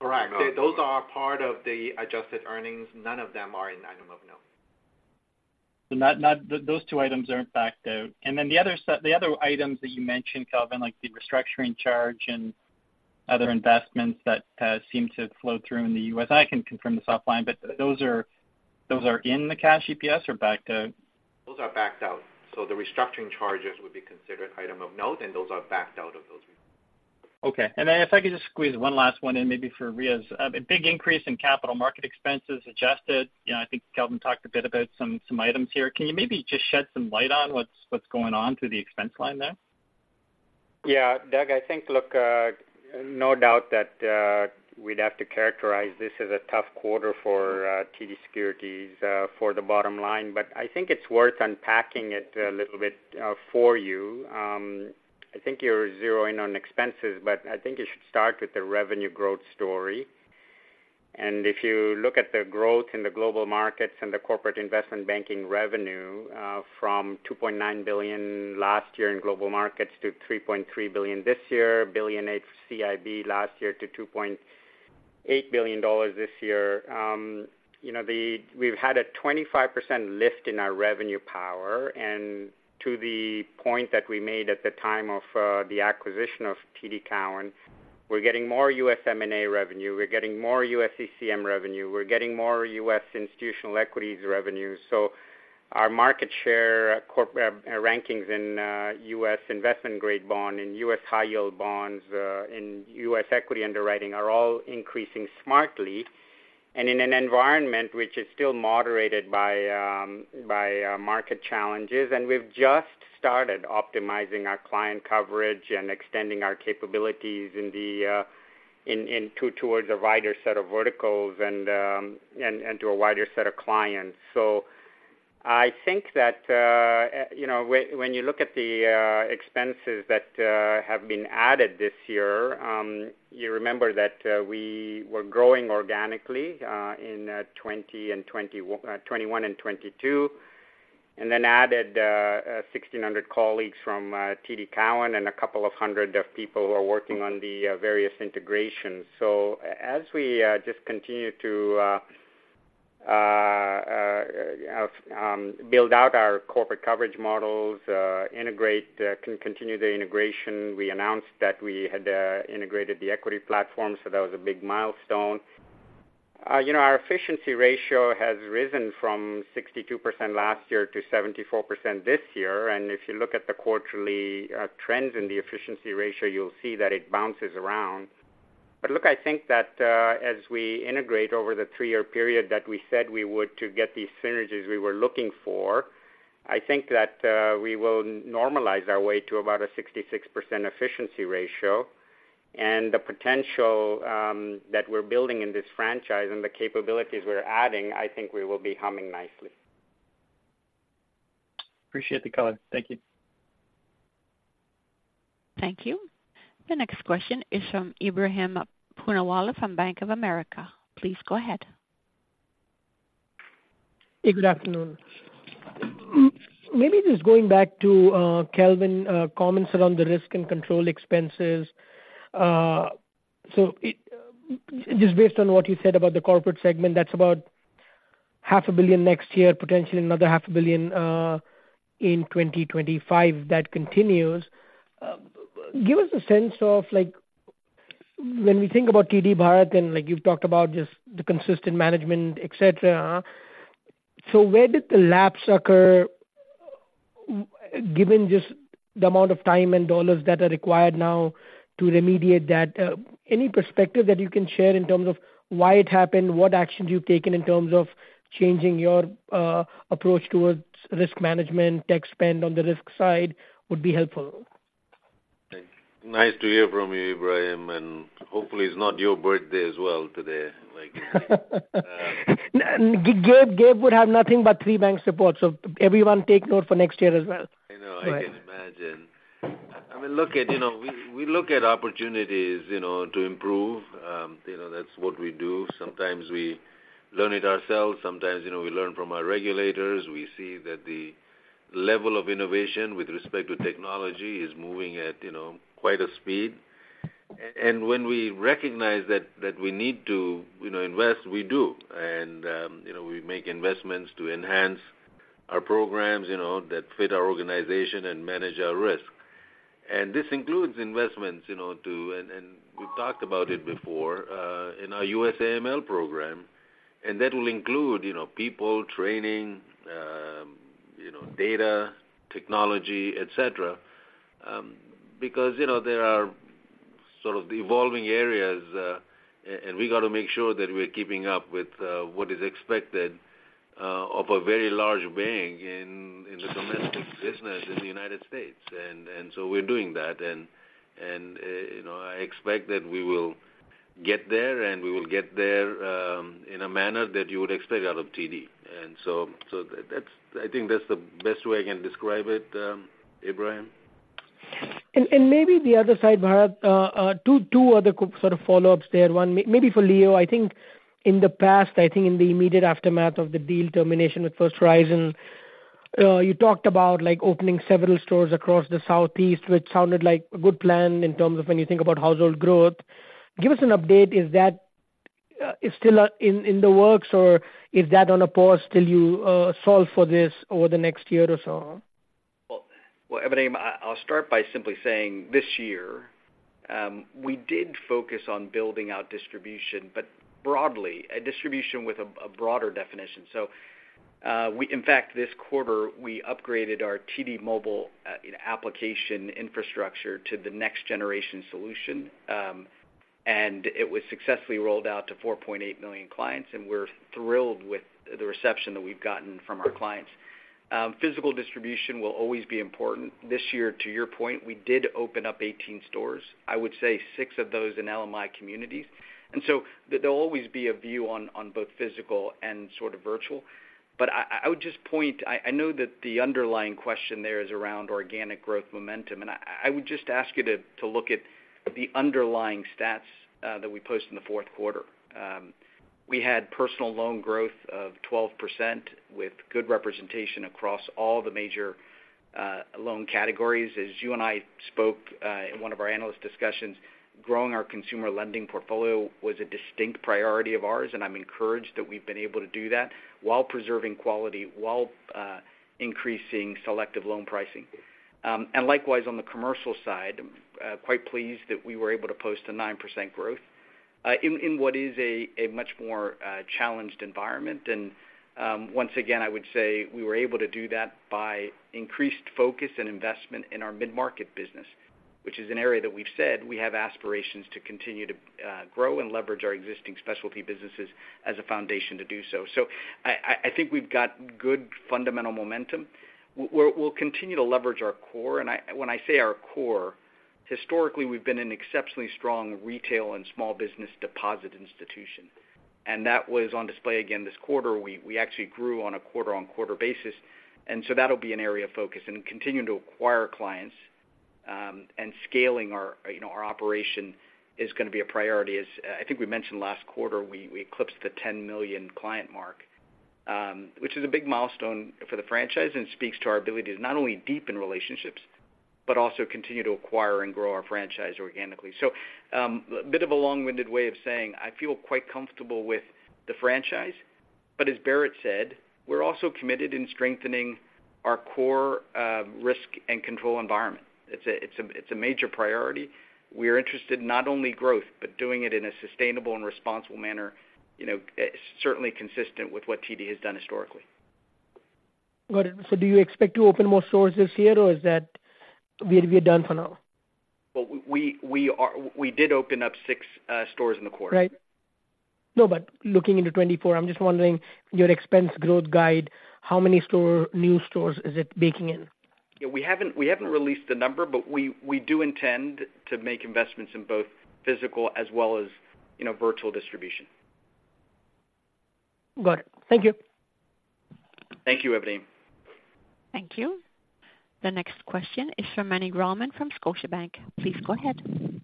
D: Correct. Those are part of the adjusted earnings. None of them are items of note.
I: So not, not those two items aren't backed out. And then the other set the other items that you mentioned, Kelvin, like the restructuring charge and other investments that seem to flow through in the U.S., I can confirm this offline, but those are, those are in the cash EPS or backed out?
D: Those are backed out. So the restructuring charges would be considered item of note, and those are backed out of those.
I: Okay. Then if I could just squeeze one last one in, maybe for Riaz. A big increase in capital market expenses adjusted. You know, I think Kelvin talked a bit about some items here. Can you maybe just shed some light on what's going on through the expense line there?
J: Yeah, Doug, I think, look, no doubt that we'd have to characterize this as a tough quarter for TD Securities for the bottom line, but I think it's worth unpacking it a little bit for you. I think you're zeroing in on expenses, but I think you should start with the revenue growth story. If you look at the growth in the global markets and the corporate investment banking revenue from 2.9 billion last year in global markets to 3.3 billion this year, 1 billion in CIB last year to 2.8 billion dollars this year, you know, we've had a 25% lift in our revenue power. To the point that we made at the time of the acquisition of TD Cowen, we're getting more U.S. M&A revenue, we're getting more U.S. ECM revenue, we're getting more U.S. institutional equities revenue. Our market share rankings in U.S. investment grade bond, in U.S. high yield bonds, in U.S. equity underwriting, are all increasing smartly and in an environment which is still moderated by market challenges. We've just started optimizing our client coverage and extending our capabilities in the towards a wider set of verticals and to a wider set of clients. So I think that, you know, when you look at the expenses that have been added this year, you remember that we were growing organically in 2021 and 2022, and then added 1,600 colleagues from TD Cowen and a couple of hundred of people who are working on the various integrations. So as we just continue to build out our corporate coverage models, integrate, continue the integration, we announced that we had integrated the equity platform, so that was a big milestone. You know, our efficiency ratio has risen from 62% last year to 74% this year, and if you look at the quarterly trends in the efficiency ratio, you'll see that it bounces around. But look, I think that, as we integrate over the three-year period that we said we would to get these synergies we were looking for, I think that, we will normalize our way to about a 66% efficiency ratio. And the potential, that we're building in this franchise and the capabilities we're adding, I think we will be humming nicely.
I: Appreciate the color. Thank you.
A: Thank you. The next question is from Ebrahim Poonawala from Bank of America. Please go ahead.
K: Hey, good afternoon. Maybe just going back to, Kelvin, comments around the risk and control expenses. So just based on what you said about the corporate segment, that's about 500 million next year, potentially another 500 million, in 2025, if that continues. Give us a sense of like-... When we think about TD Bharat, and like you've talked about just the consistent management, et cetera, so where did the lapse occur, given just the amount of time and dollars that are required now to remediate that? Any perspective that you can share in terms of why it happened, what actions you've taken in terms of changing your approach towards risk management, tech spend on the risk side, would be helpful.
C: Nice to hear from you, Ebrahim, and hopefully it's not your birthday as well today, like.
K: Gabe, Gabe would have nothing but TD Bank support, so everyone take note for next year as well.
C: I know, I can imagine. I mean, look at, you know, we, we look at opportunities, you know, to improve. You know, that's what we do. Sometimes we learn it ourselves; sometimes, you know, we learn from our regulators. We see that the level of innovation with respect to technology is moving at, you know, quite a speed. And when we recognize that, that we need to, you know, invest, we do. And, you know, we make investments to enhance our programs, you know, that fit our organization and manage our risk. And this includes investments, you know, to... And we've talked about it before, in our U.S. AML program, and that will include, you know, people, training, you know, data, technology, et cetera. Because, you know, there are sort of evolving areas, and we got to make sure that we're keeping up with what is expected of a very large bank in the domestic business in the United States. And you know, I expect that we will get there, and we will get there in a manner that you would expect out of TD. So that's - I think that's the best way I can describe it, Ebrahim.
K: Maybe the other side, Bharat, two other sort of follow-ups there. One maybe for Leo. I think in the past, I think in the immediate aftermath of the deal termination with First Horizon, you talked about, like, opening several stores across the Southeast, which sounded like a good plan in terms of when you think about household growth. Give us an update. Is that still in the works, or is that on a pause till you solve for this over the next year or so?
H: Well, well, Ebrahim, I'll start by simply saying this year, we did focus on building out distribution, but broadly, a distribution with a broader definition. So, we, in fact, this quarter, we upgraded our TD Mobile application infrastructure to the next generation solution, and it was successfully rolled out to 4.8 million clients, and we're thrilled with the reception that we've gotten from our clients. Physical distribution will always be important. This year, to your point, we did open up 18 stores. I would say six of those in LMI communities. And so there'll always be a view on both physical and sort of virtual. But I would just point... I know that the underlying question there is around organic growth momentum, and I would just ask you to look at the underlying stats that we posted in the fourth quarter. We had personal loan growth of 12%, with good representation across all the major loan categories. As you and I spoke in one of our analyst discussions, growing our consumer lending portfolio was a distinct priority of ours, and I'm encouraged that we've been able to do that while preserving quality, while increasing selective loan pricing. And likewise, on the commercial side, quite pleased that we were able to post a 9% growth in what is a much more challenged environment. Once again, I would say we were able to do that by increased focus and investment in our mid-market business, which is an area that we've said we have aspirations to continue to grow and leverage our existing specialty businesses as a foundation to do so. So I think we've got good fundamental momentum. We're, we'll continue to leverage our core, and when I say our core, historically, we've been an exceptionally strong retail and small business deposit institution, and that was on display again this quarter. We actually grew on a quarter-on-quarter basis, and so that'll be an area of focus. Continuing to acquire clients and scaling our, you know, our operation is going to be a priority. As I think we mentioned last quarter, we eclipsed the 10 million client mark, which is a big milestone for the franchise and speaks to our ability to not only deepen relationships, but also continue to acquire and grow our franchise organically. So, a bit of a long-winded way of saying I feel quite comfortable with the franchise, but as Barrett said, we're also committed in strengthening our core risk and control environment. It's a major priority. We are interested in not only growth, but doing it in a sustainable and responsible manner, you know, eh, certainly consistent with what TD has done historically.
K: Got it. So do you expect to open more stores this year, or is that we are done for now?
H: Well, we did open up six stores in the quarter.
K: Right. No, but looking into 2024, I'm just wondering, your expense growth guide, how many store, new stores is it baking in?
H: Yeah, we haven't released the number, but we do intend to make investments in both physical as well as, you know, virtual distribution.
K: Got it. Thank you.
H: Thank you, Ebrahim.
A: Thank you. The next question is from Meny Grauman from Scotiabank. Please go ahead.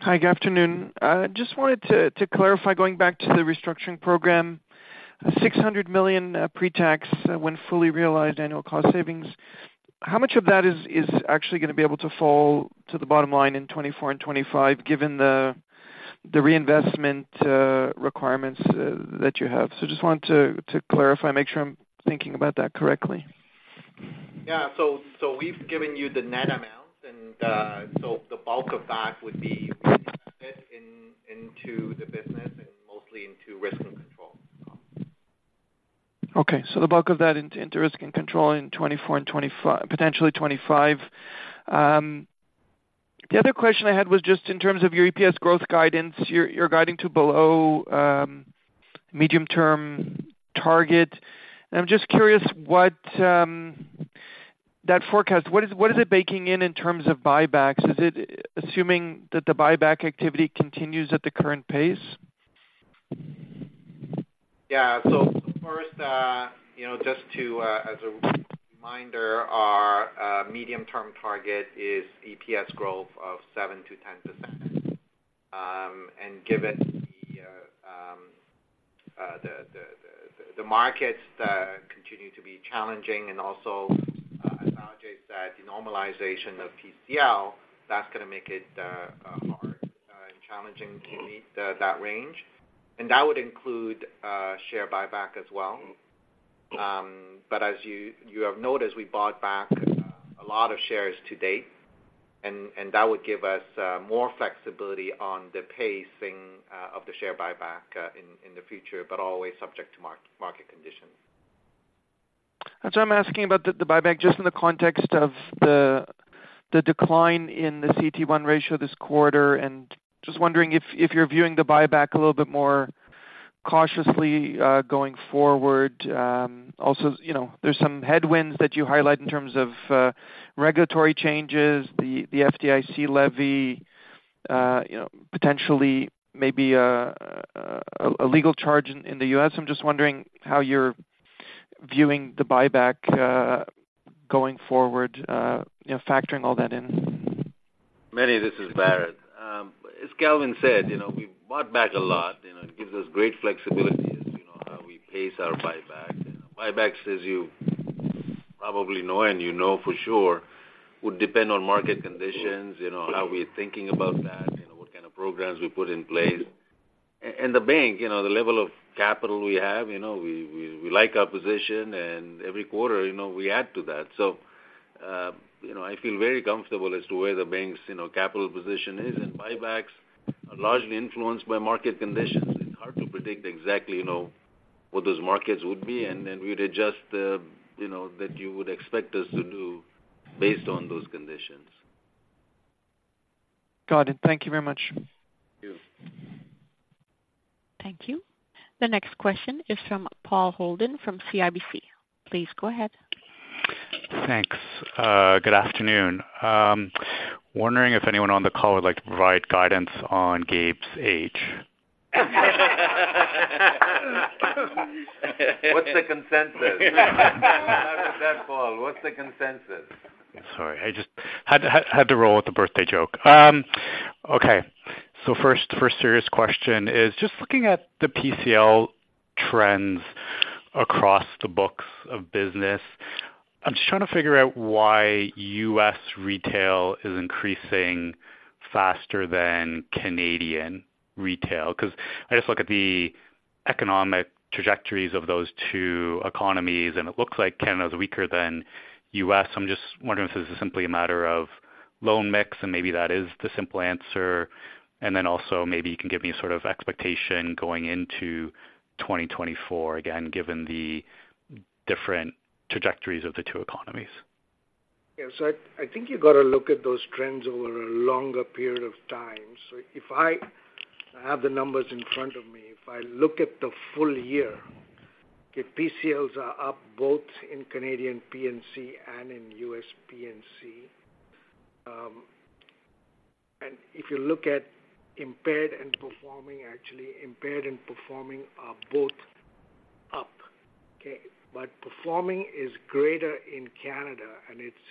L: Hi, good afternoon. Just wanted to clarify, going back to the restructuring program, 600 million pre-tax, when fully realized annual cost savings, how much of that is actually going to be able to fall to the bottom line in 2024 and 2025, given the reinvestment requirements that you have? So just wanted to clarify, make sure I'm thinking about that correctly. ...
D: Yeah, so we've given you the net amount, and so the bulk of that would be invested into the business and mostly into risk and control.
L: Okay, so the bulk of that into risk and control in 2024 and twenty-five—potentially 2025. The other question I had was just in terms of your EPS growth guidance. You're guiding to below medium-term target. And I'm just curious what that forecast, what is it baking in, in terms of buybacks? Is it assuming that the buyback activity continues at the current pace?
D: Yeah. So first, you know, just to, as a reminder, our medium-term target is EPS growth of 7%-10%. And given the markets continue to be challenging and also acknowledge that the normalization of PCL, that's gonna make it hard and challenging to meet that range. And that would include share buyback as well. But as you have noticed, we bought back a lot of shares to date, and that would give us more flexibility on the pacing of the share buyback in the future, but always subject to market conditions.
L: And so I'm asking about the buyback just in the context of the decline in the CET1 ratio this quarter, and just wondering if you're viewing the buyback a little bit more cautiously going forward. Also, you know, there's some headwinds that you highlight in terms of regulatory changes, the FDIC levy, you know, potentially maybe a legal charge in the U.S. I'm just wondering how you're viewing the buyback going forward, you know, factoring all that in.
C: Meny, this is Bharat. As Kelvin said, you know, we've bought back a lot, you know, it gives us great flexibility as to, you know, how we pace our buyback. Buybacks, as you probably know, and you know for sure, would depend on market conditions, you know, how we're thinking about that, you know, what kind of programs we put in place. And the bank, you know, the level of capital we have, you know, we like our position, and every quarter, you know, we add to that. So, you know, I feel very comfortable as to where the bank's, you know, capital position is, and buybacks are largely influenced by market conditions. It's hard to predict exactly, you know, what those markets would be, and then we'd adjust the, you know, that you would expect us to do based on those conditions.
L: Got it. Thank you very much.
C: Thank you.
A: Thank you. The next question is from Paul Holden from CIBC. Please go ahead.
M: Thanks. Good afternoon. Wondering if anyone on the call would like to provide guidance on Gabe's age?
D: What's the consensus? How is that, Paul? What's the consensus?
M: Sorry, I just had to roll with the birthday joke. Okay, so first, the first serious question is just looking at the PCL trends across the books of business. I'm just trying to figure out why U.S. retail is increasing faster than Canadian retail. Because I just look at the economic trajectories of those two economies, and it looks like Canada is weaker than U.S. I'm just wondering if this is simply a matter of loan mix, and maybe that is the simple answer. And then also, maybe you can give me sort of expectation going into 2024, again, given the different trajectories of the two economies.
E: Yeah, so I think you've got to look at those trends over a longer period of time. So if I have the numbers in front of me, if I look at the full year, the PCLs are up both in Canadian P&C and in U.S. P&C. And if you look at impaired and performing, actually, impaired and performing are both up, okay? But performing is greater in Canada, and it's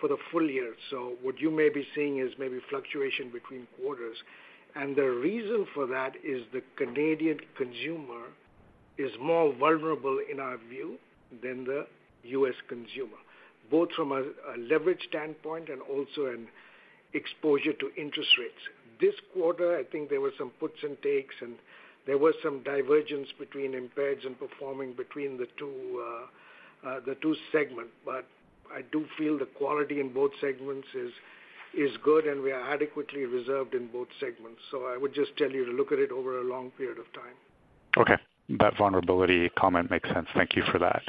E: for the full year. So what you may be seeing is maybe fluctuation between quarters. And the reason for that is the Canadian consumer is more vulnerable, in our view, than the U.S. consumer, both from a leverage standpoint and also an exposure to interest rates. This quarter, I think there were some puts and takes, and there was some divergence between impaired and performing between the two segment. But I do feel the quality in both segments is good, and we are adequately reserved in both segments. So I would just tell you to look at it over a long period of time.
M: Okay. That vulnerability comment makes sense. Thank you for that.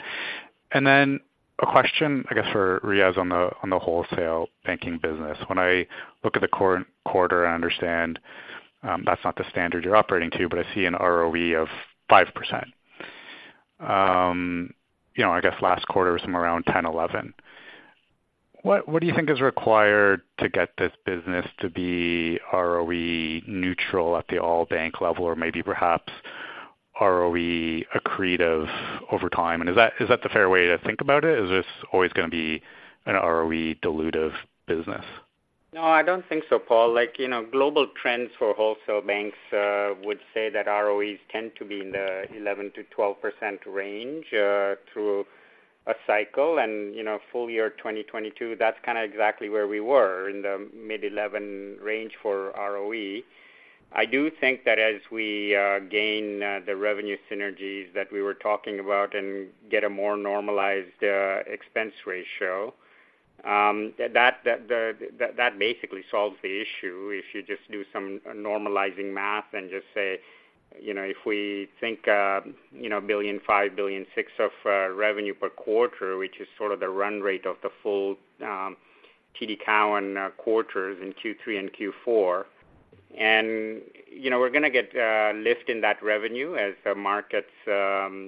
M: And then a question, I guess, for Riaz on the, on the wholesale banking business. When I look at the current quarter, I understand, that's not the standard you're operating to, but I see an ROE of 5%. You know, I guess last quarter was from around 10, 11. What, what do you think is required to get this business to be ROE neutral at the all bank level, or maybe perhaps ROE accretive over time? And is that, is that the fair way to think about it? Is this always gonna be an ROE dilutive business?
J: No, I don't think so, Paul. Like, you know, global trends for wholesale banks would say that ROEs tend to be in the 11%-12% range through a cycle. And, you know, full year 2022, that's kind of exactly where we were, in the mid-11 range for ROE.... I do think that as we gain the revenue synergies that we were talking about and get a more normalized expense ratio, that basically solves the issue. If you just do some normalizing math and just say, you know, if we think, you know, $1.5 billion, $1.6 billion of revenue per quarter, which is sort of the run rate of the full TD Cowen quarters in Q3 and Q4, and, you know, we're gonna get lift in that revenue as the markets are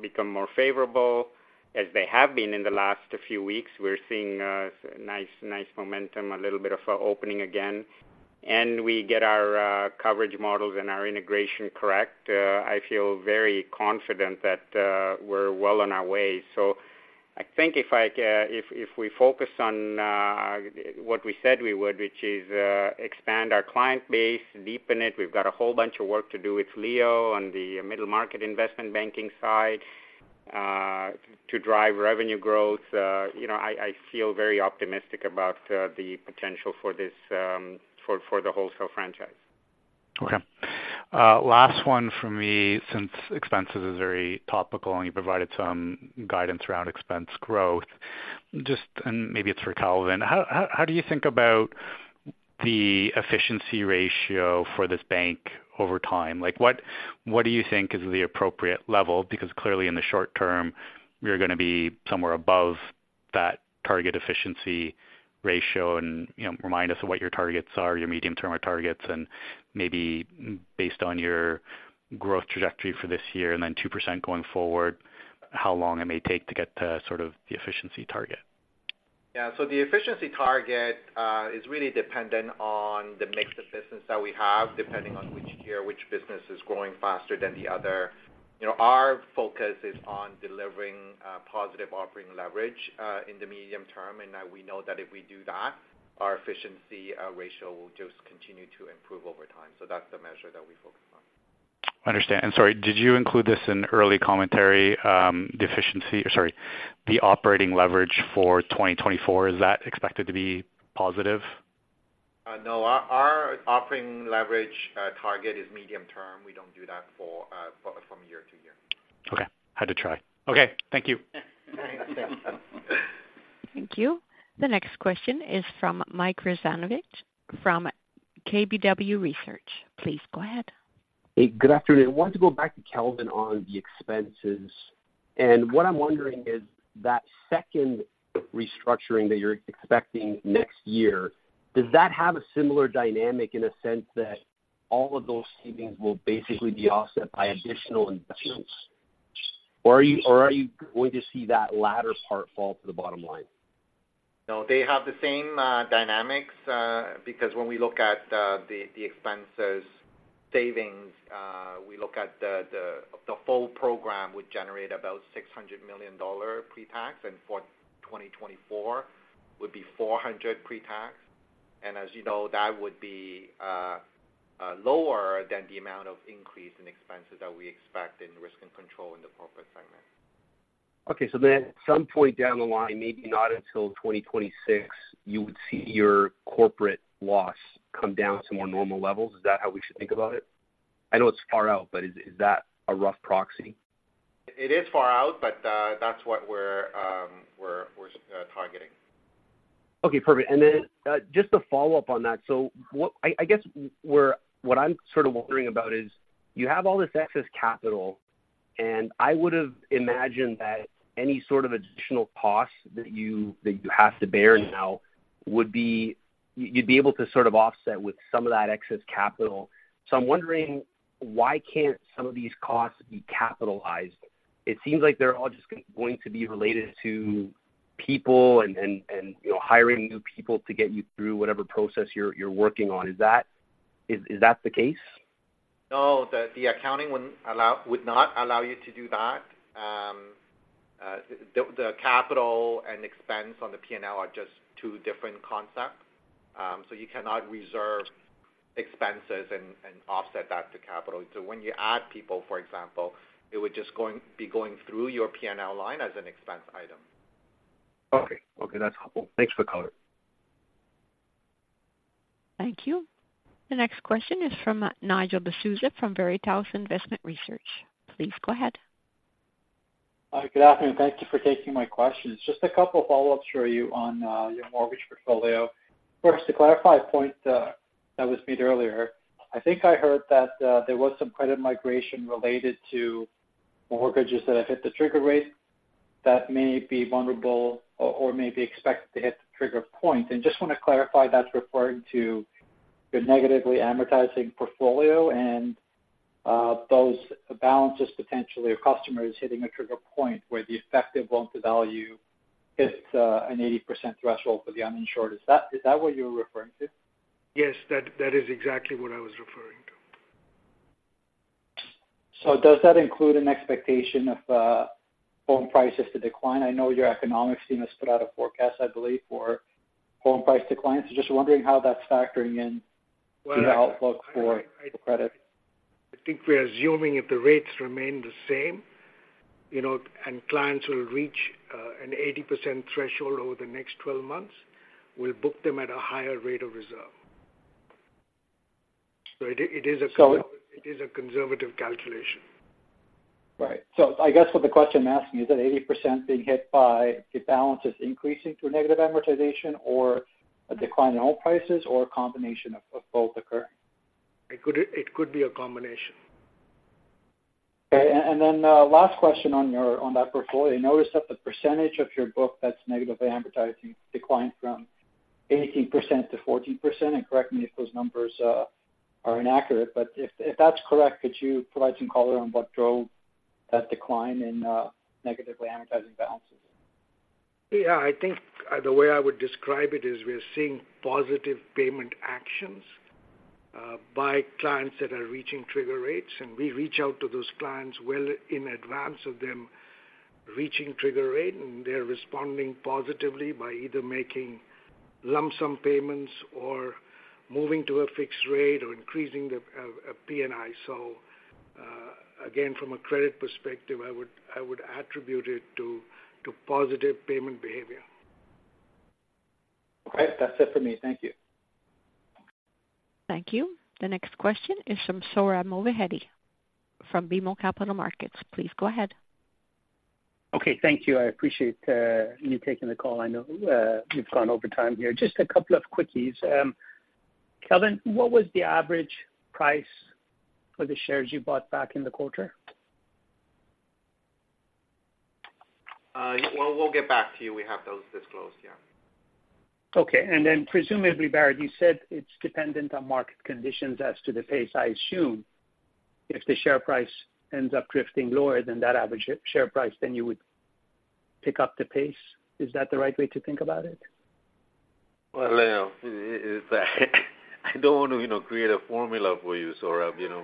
J: become more favorable as they have been in the last few weeks. We're seeing nice momentum, a little bit of a opening again, and we get our coverage models and our integration correct, I feel very confident that we're well on our way. So I think if we focus on what we said we would, which is expand our client base, deepen it, we've got a whole bunch of work to do with Leo on the middle-market investment banking side to drive revenue growth. You know, I feel very optimistic about the potential for this for the wholesale franchise.
M: Okay. Last one from me, since expenses is very topical, and you provided some guidance around expense growth, just and maybe it's for Kelvin, how, how, how do you think about the efficiency ratio for this bank over time? Like, what, what do you think is the appropriate level? Because clearly, in the short term, you're gonna be somewhere above that target efficiency ratio. And, you know, remind us of what your targets are, your medium-term targets, and maybe based on your growth trajectory for this year, and then 2% going forward, how long it may take to get to sort of the efficiency target?
D: Yeah. So the efficiency target is really dependent on the mix of business that we have, depending on which year, which business is growing faster than the other. You know, our focus is on delivering positive operating leverage in the medium term, and we know that if we do that, our efficiency ratio will just continue to improve over time. So that's the measure that we focus on.
M: Understand. And sorry, did you include this in early commentary, the efficiency... Sorry, the operating leverage for 2024, is that expected to be positive?
J: No. Our operating leverage target is medium term. We don't do that from year to year.
M: Okay, had to try. Okay. Thank you.
A: Thank you. The next question is from Mike Rizvanovic from KBW Research. Please go ahead.
N: Hey, good afternoon. I wanted to go back to Kelvin on the expenses, and what I'm wondering is that second restructuring that you're expecting next year, does that have a similar dynamic in a sense that all of those savings will basically be offset by additional investments? Or are you, or are you going to see that latter part fall to the bottom line?
D: No, they have the same dynamics because when we look at the expenses savings, the full program would generate about 600 million dollar pre-tax, and for 2024 would be 400 pre-tax. And as you know, that would be lower than the amount of increase in expenses that we expect in risk and control in the corporate segment.
N: Okay. So then at some point down the line, maybe not until 2026, you would see your corporate loss come down to more normal levels. Is that how we should think about it? I know it's far out, but is that a rough proxy?
D: It is far out, but that's what we're targeting.
N: Okay, perfect. And then, just to follow up on that, so what I'm sort of wondering about is, you have all this excess capital, and I would've imagined that any sort of additional costs that you have to bear now would be... You'd be able to sort of offset with some of that excess capital. So I'm wondering, why can't some of these costs be capitalized? It seems like they're all just going to be related to people and, you know, hiring new people to get you through whatever process you're working on. Is that the case?
J: No, the accounting wouldn't allow—would not allow you to do that. The capital and expense on the P&L are just two different concepts. So you cannot reserve expenses and offset that to capital. So when you add people, for example, it would just be going through your P&L line as an expense item.
N: Okay. Okay, that's helpful. Thanks for the color.
A: Thank you. The next question is from Nigel D'Souza from Veritas Investment Research. Please go ahead.
O: Good afternoon, thank you for taking my questions. Just a couple follow-ups for you on your mortgage portfolio. First, to clarify a point that was made earlier, I think I heard that there was some credit migration related to mortgages that have hit the trigger rate that may be vulnerable or, or may be expected to hit the trigger point. Just want to clarify, that's referring to your negatively amortizing portfolio and those balances potentially, or customers hitting a trigger point where the effective loan to value hits an 80% threshold for the uninsured. Is that, is that what you're referring to?
E: Yes, that, that is exactly what I was referring to.
O: Does that include an expectation of, home prices to decline? I know your economics team has put out a forecast, I believe, for home price declines. Just wondering how that's factoring in to the outlook for credit.
E: I think we're assuming if the rates remain the same- ...
G: you know, and clients will reach an 80% threshold over the next twelve months, we'll book them at a higher rate of reserve. So it is, it is a conservative calculation.
O: Right. So I guess what the question I'm asking you, is that 80% being hit by the balances increasing through negative amortization or a decline in oil prices, or a combination of, of both occurring?
G: It could, it could be a combination.
O: Okay. And then, last question on your, on that portfolio. I noticed that the percentage of your book that's negatively amortizing declined from 18% to 14%, and correct me if those numbers are inaccurate. But if that's correct, could you provide some color on what drove that decline in negatively amortizing balances?
G: Yeah, I think the way I would describe it is we're seeing positive payment actions by clients that are reaching trigger rates, and we reach out to those clients well in advance of them reaching trigger rate, and they're responding positively by either making lump sum payments or moving to a fixed rate or increasing the P&I. So, again, from a credit perspective, I would attribute it to positive payment behavior.
O: Okay. That's it for me. Thank you.
A: Thank you. The next question is from Sohrab Movahedi from BMO Capital Markets. Please go ahead.
P: Okay, thank you. I appreciate you taking the call. I know we've gone over time here. Just a couple of quickies. Kelvin, what was the average price for the shares you bought back in the quarter?
D: Well, we'll get back to you. We have those disclosed, yeah.
P: Okay. And then presumably, Bharat, you said it's dependent on market conditions as to the pace. I assume if the share price ends up drifting lower than that average share price, then you would pick up the pace. Is that the right way to think about it?
C: Well, it's, I don't want to, you know, create a formula for you, Sohrab. You know,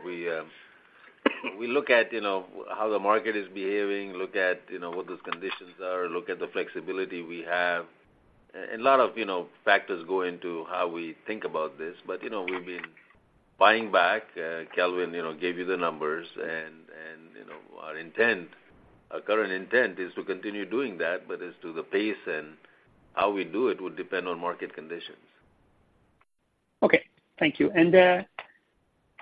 C: we look at, you know, how the market is behaving, look at, you know, what those conditions are, look at the flexibility we have. A lot of, you know, factors go into how we think about this, but, you know, we've been buying back, Kelvin, you know, gave you the numbers and, you know, our intent, our current intent is to continue doing that, but as to the pace and how we do it will depend on market conditions.
P: Okay. Thank you. And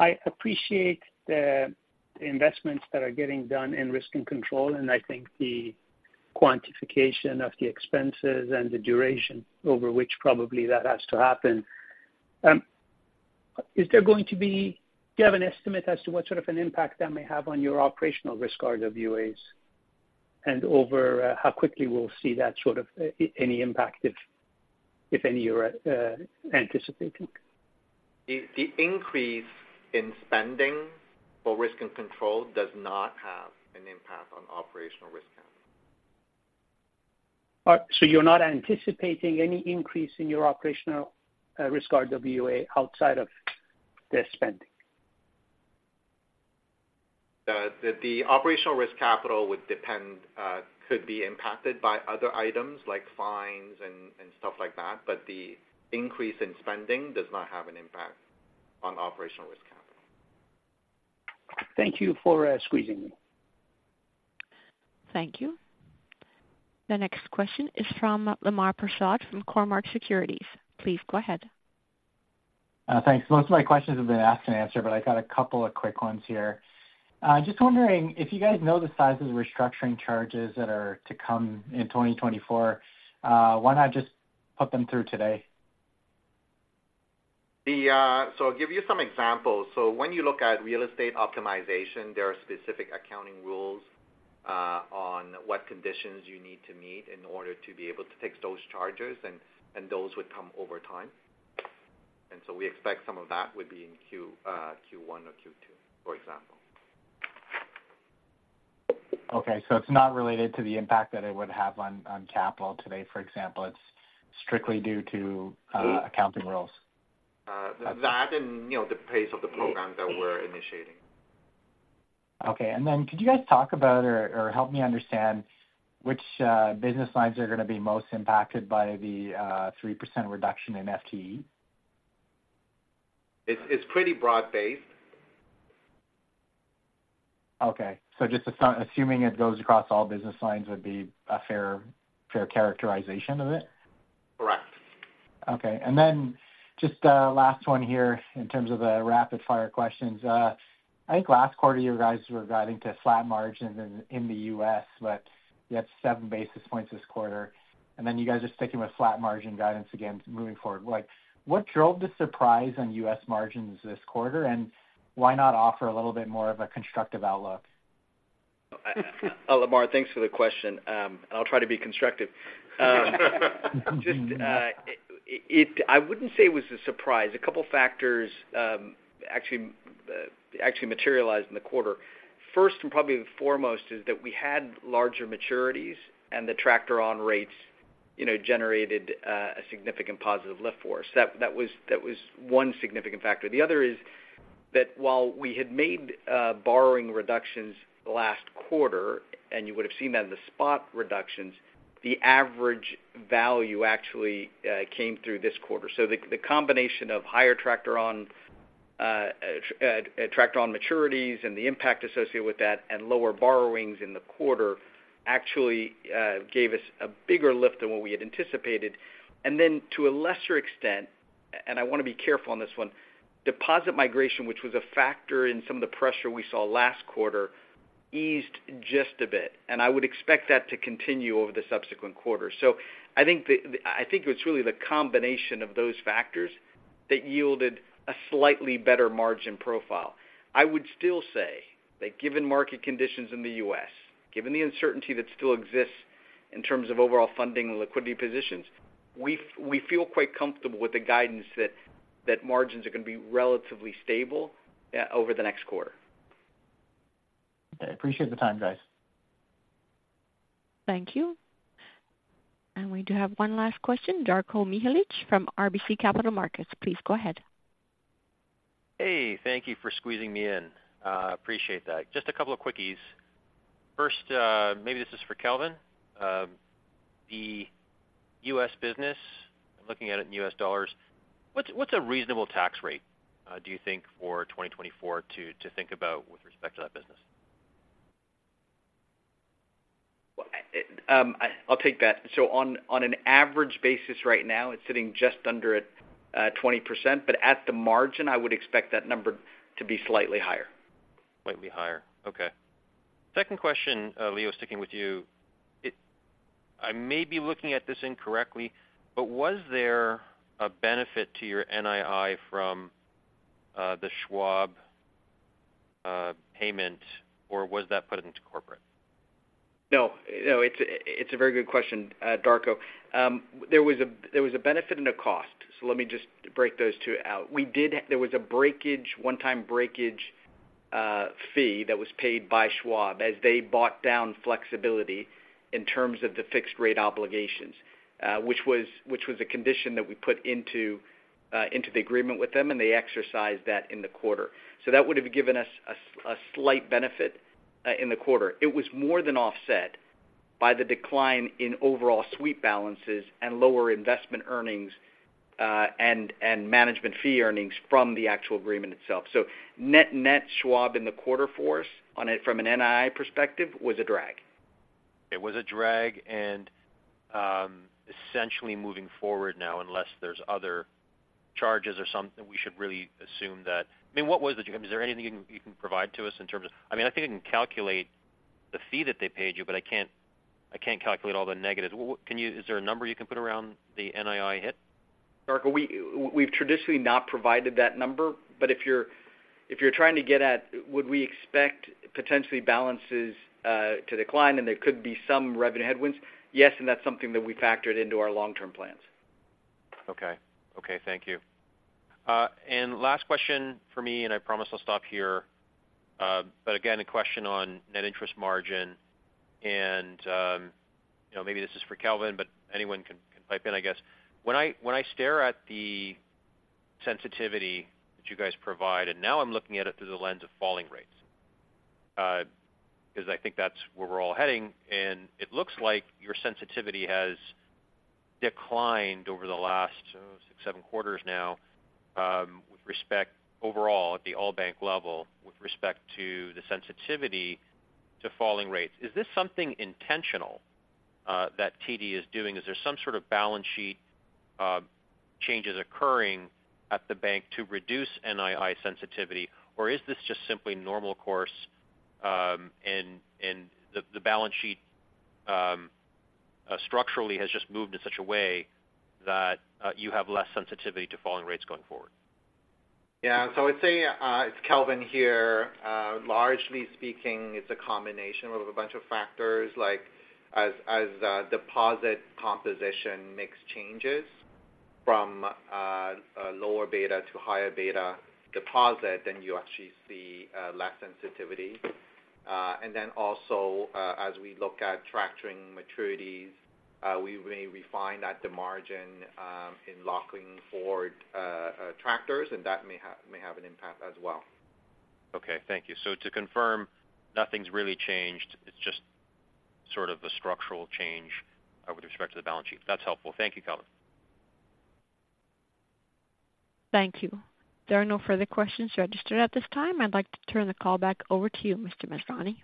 P: I appreciate the investments that are getting done in risk and control, and I think the quantification of the expenses and the duration over which probably that has to happen. Is there going to be? Do you have an estimate as to what sort of an impact that may have on your operational risk RWAs? And over how quickly we'll see that sort of any impact, if any, you're anticipating?
D: The increase in spending for risk and control does not have an impact on operational risk capital.
P: You're not anticipating any increase in your operational risk RWA outside of the spending?
D: The operational risk capital would depend, could be impacted by other items, like fines and, and stuff like that, but the increase in spending does not have an impact on operational risk capital.
P: Thank you for squeezing me.
A: Thank you. The next question is from Lemar Persaud from Cormark Securities. Please go ahead.
Q: Thanks. Most of my questions have been asked and answered, but I got a couple of quick ones here. Just wondering if you guys know the size of the restructuring charges that are to come in 2024, why not just put them through today?
D: So I'll give you some examples. So when you look at real estate optimization, there are specific accounting rules on what conditions you need to meet in order to be able to take those charges, and those would come over time. And so we expect some of that would be in Q1 or Q2, for example.
Q: Okay, so it's not related to the impact that it would have on capital today, for example, it's strictly due to accounting rules?
D: That and, you know, the pace of the program that we're initiating.
Q: Okay. Then could you guys talk about or help me understand which business lines are going to be most impacted by the 3% reduction in FTE?
D: It's pretty broad-based.
Q: Okay. So just assuming it goes across all business lines would be a fair, fair characterization of it?
D: Correct.
Q: Okay. And then just a last one here in terms of the rapid fire questions. I think last quarter, you guys were guiding to flat margins in the U.S., but you had seven basis points this quarter, and then you guys are sticking with flat margin guidance again moving forward. Like, what drove the surprise on U.S. margins this quarter, and why not offer a little bit more of a constructive outlook?
G: Lemar, thanks for the question. I'll try to be constructive. Just, I wouldn't say it was a surprise. A couple factors, actually, actually materialized in the quarter. First, and probably foremost, is that we had larger maturities and the traction on rates, you know, generated, a significant positive lift force. That was one significant factor. The other is that while we had made, borrowing reductions last quarter, and you would have seen that in the deposit reductions, the average value actually, came through this quarter. So the combination of higher traction on- ... to attract on maturities and the impact associated with that, and lower borrowings in the quarter actually gave us a bigger lift than what we had anticipated. And then to a lesser extent, and I want to be careful on this one, deposit migration, which was a factor in some of the pressure we saw last quarter, eased just a bit, and I would expect that to continue over the subsequent quarter. So I think the, I think it was really the combination of those factors that yielded a slightly better margin profile. I would still say that given market conditions in the U.S., given the uncertainty that still exists in terms of overall funding and liquidity positions, we feel quite comfortable with the guidance that margins are going to be relatively stable over the next quarter.
D: Okay, appreciate the time, guys.
A: Thank you. We do have one last question, Darko Mihelic from RBC Capital Markets. Please go ahead.
R: Hey, thank you for squeezing me in. Appreciate that. Just a couple of quickies. First, maybe this is for Kelvin. The U.S. business, I'm looking at it in U.S. dollars. What's a reasonable tax rate, do you think, for 2024 to think about with respect to that business?
H: Well, I'll take that. So on an average basis right now, it's sitting just under at 20%, but at the margin, I would expect that number to be slightly higher.
R: Slightly higher. Okay. Second question, Leo, sticking with you. I may be looking at this incorrectly, but was there a benefit to your NII from the Schwab payment, or was that put into corporate?
H: No. No, it's a very good question, Darko. There was a benefit and a cost, so let me just break those two out. There was a breakage, one-time breakage, fee that was paid by Schwab as they bought down flexibility in terms of the fixed rate obligations, which was a condition that we put into the agreement with them, and they exercised that in the quarter. So that would have given us a slight benefit in the quarter. It was more than offset by the decline in overall sweep balances and lower investment earnings, and management fee earnings from the actual agreement itself. So net, net, Schwab in the quarter focus on it from an NII perspective, was a drag.
R: It was a drag, and essentially moving forward now, unless there's other charges or something, we should really assume that... I mean, what was the drag? Is there anything you can provide to us in terms of-- I mean, I think I can calculate the fee that they paid you, but I can't calculate all the negatives. Can you-- Is there a number you can put around the NII hit?
H: Darko, we've traditionally not provided that number, but if you're, if you're trying to get at, would we expect potentially balances to decline and there could be some revenue headwinds? Yes, and that's something that we factored into our long-term plans.
R: Okay. Okay, thank you. And last question for me, and I promise I'll stop here. But again, a question on net interest margin, and, you know, maybe this is for Kelvin, but anyone can pipe in, I guess. When I stare at the sensitivity that you guys provide, and now I'm looking at it through the lens of falling rates, because I think that's where we're all heading, and it looks like your sensitivity has declined over the last 6-7 quarters now, with respect overall at the all bank level, with respect to the sensitivity to falling rates. Is this something intentional that TD is doing? Is there some sort of balance sheet changes occurring at the bank to reduce NII sensitivity, or is this just simply normal course, and the balance sheet structurally has just moved in such a way that you have less sensitivity to falling rates going forward?
D: Yeah. So I'd say, it's Kelvin here. Largely speaking, it's a combination of a bunch of factors, like as deposit composition mix changes from a lower beta to higher beta deposit, then you actually see less sensitivity. And then also, as we look at factoring maturities, we may reprice at the margin in locking in forward contracts, and that may have an impact as well.
R: Okay, thank you. So to confirm, nothing's really changed, it's just sort of a structural change, with respect to the balance sheet. That's helpful. Thank you, Kelvin.
A: Thank you. There are no further questions registered at this time. I'd like to turn the call back over to you, Mr. Masrani.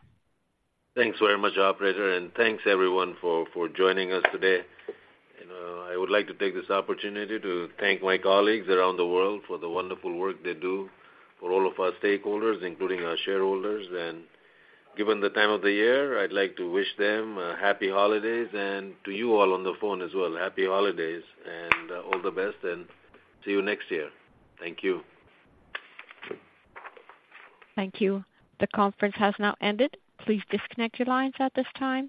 C: Thanks very much, operator, and thanks everyone for, for joining us today. I would like to take this opportunity to thank my colleagues around the world for the wonderful work they do for all of our stakeholders, including our shareholders. Given the time of the year, I'd like to wish them a happy holidays, and to you all on the phone as well, happy holidays and, all the best, and see you next year. Thank you.
A: Thank you. The conference has now ended. Please disconnect your lines at this time.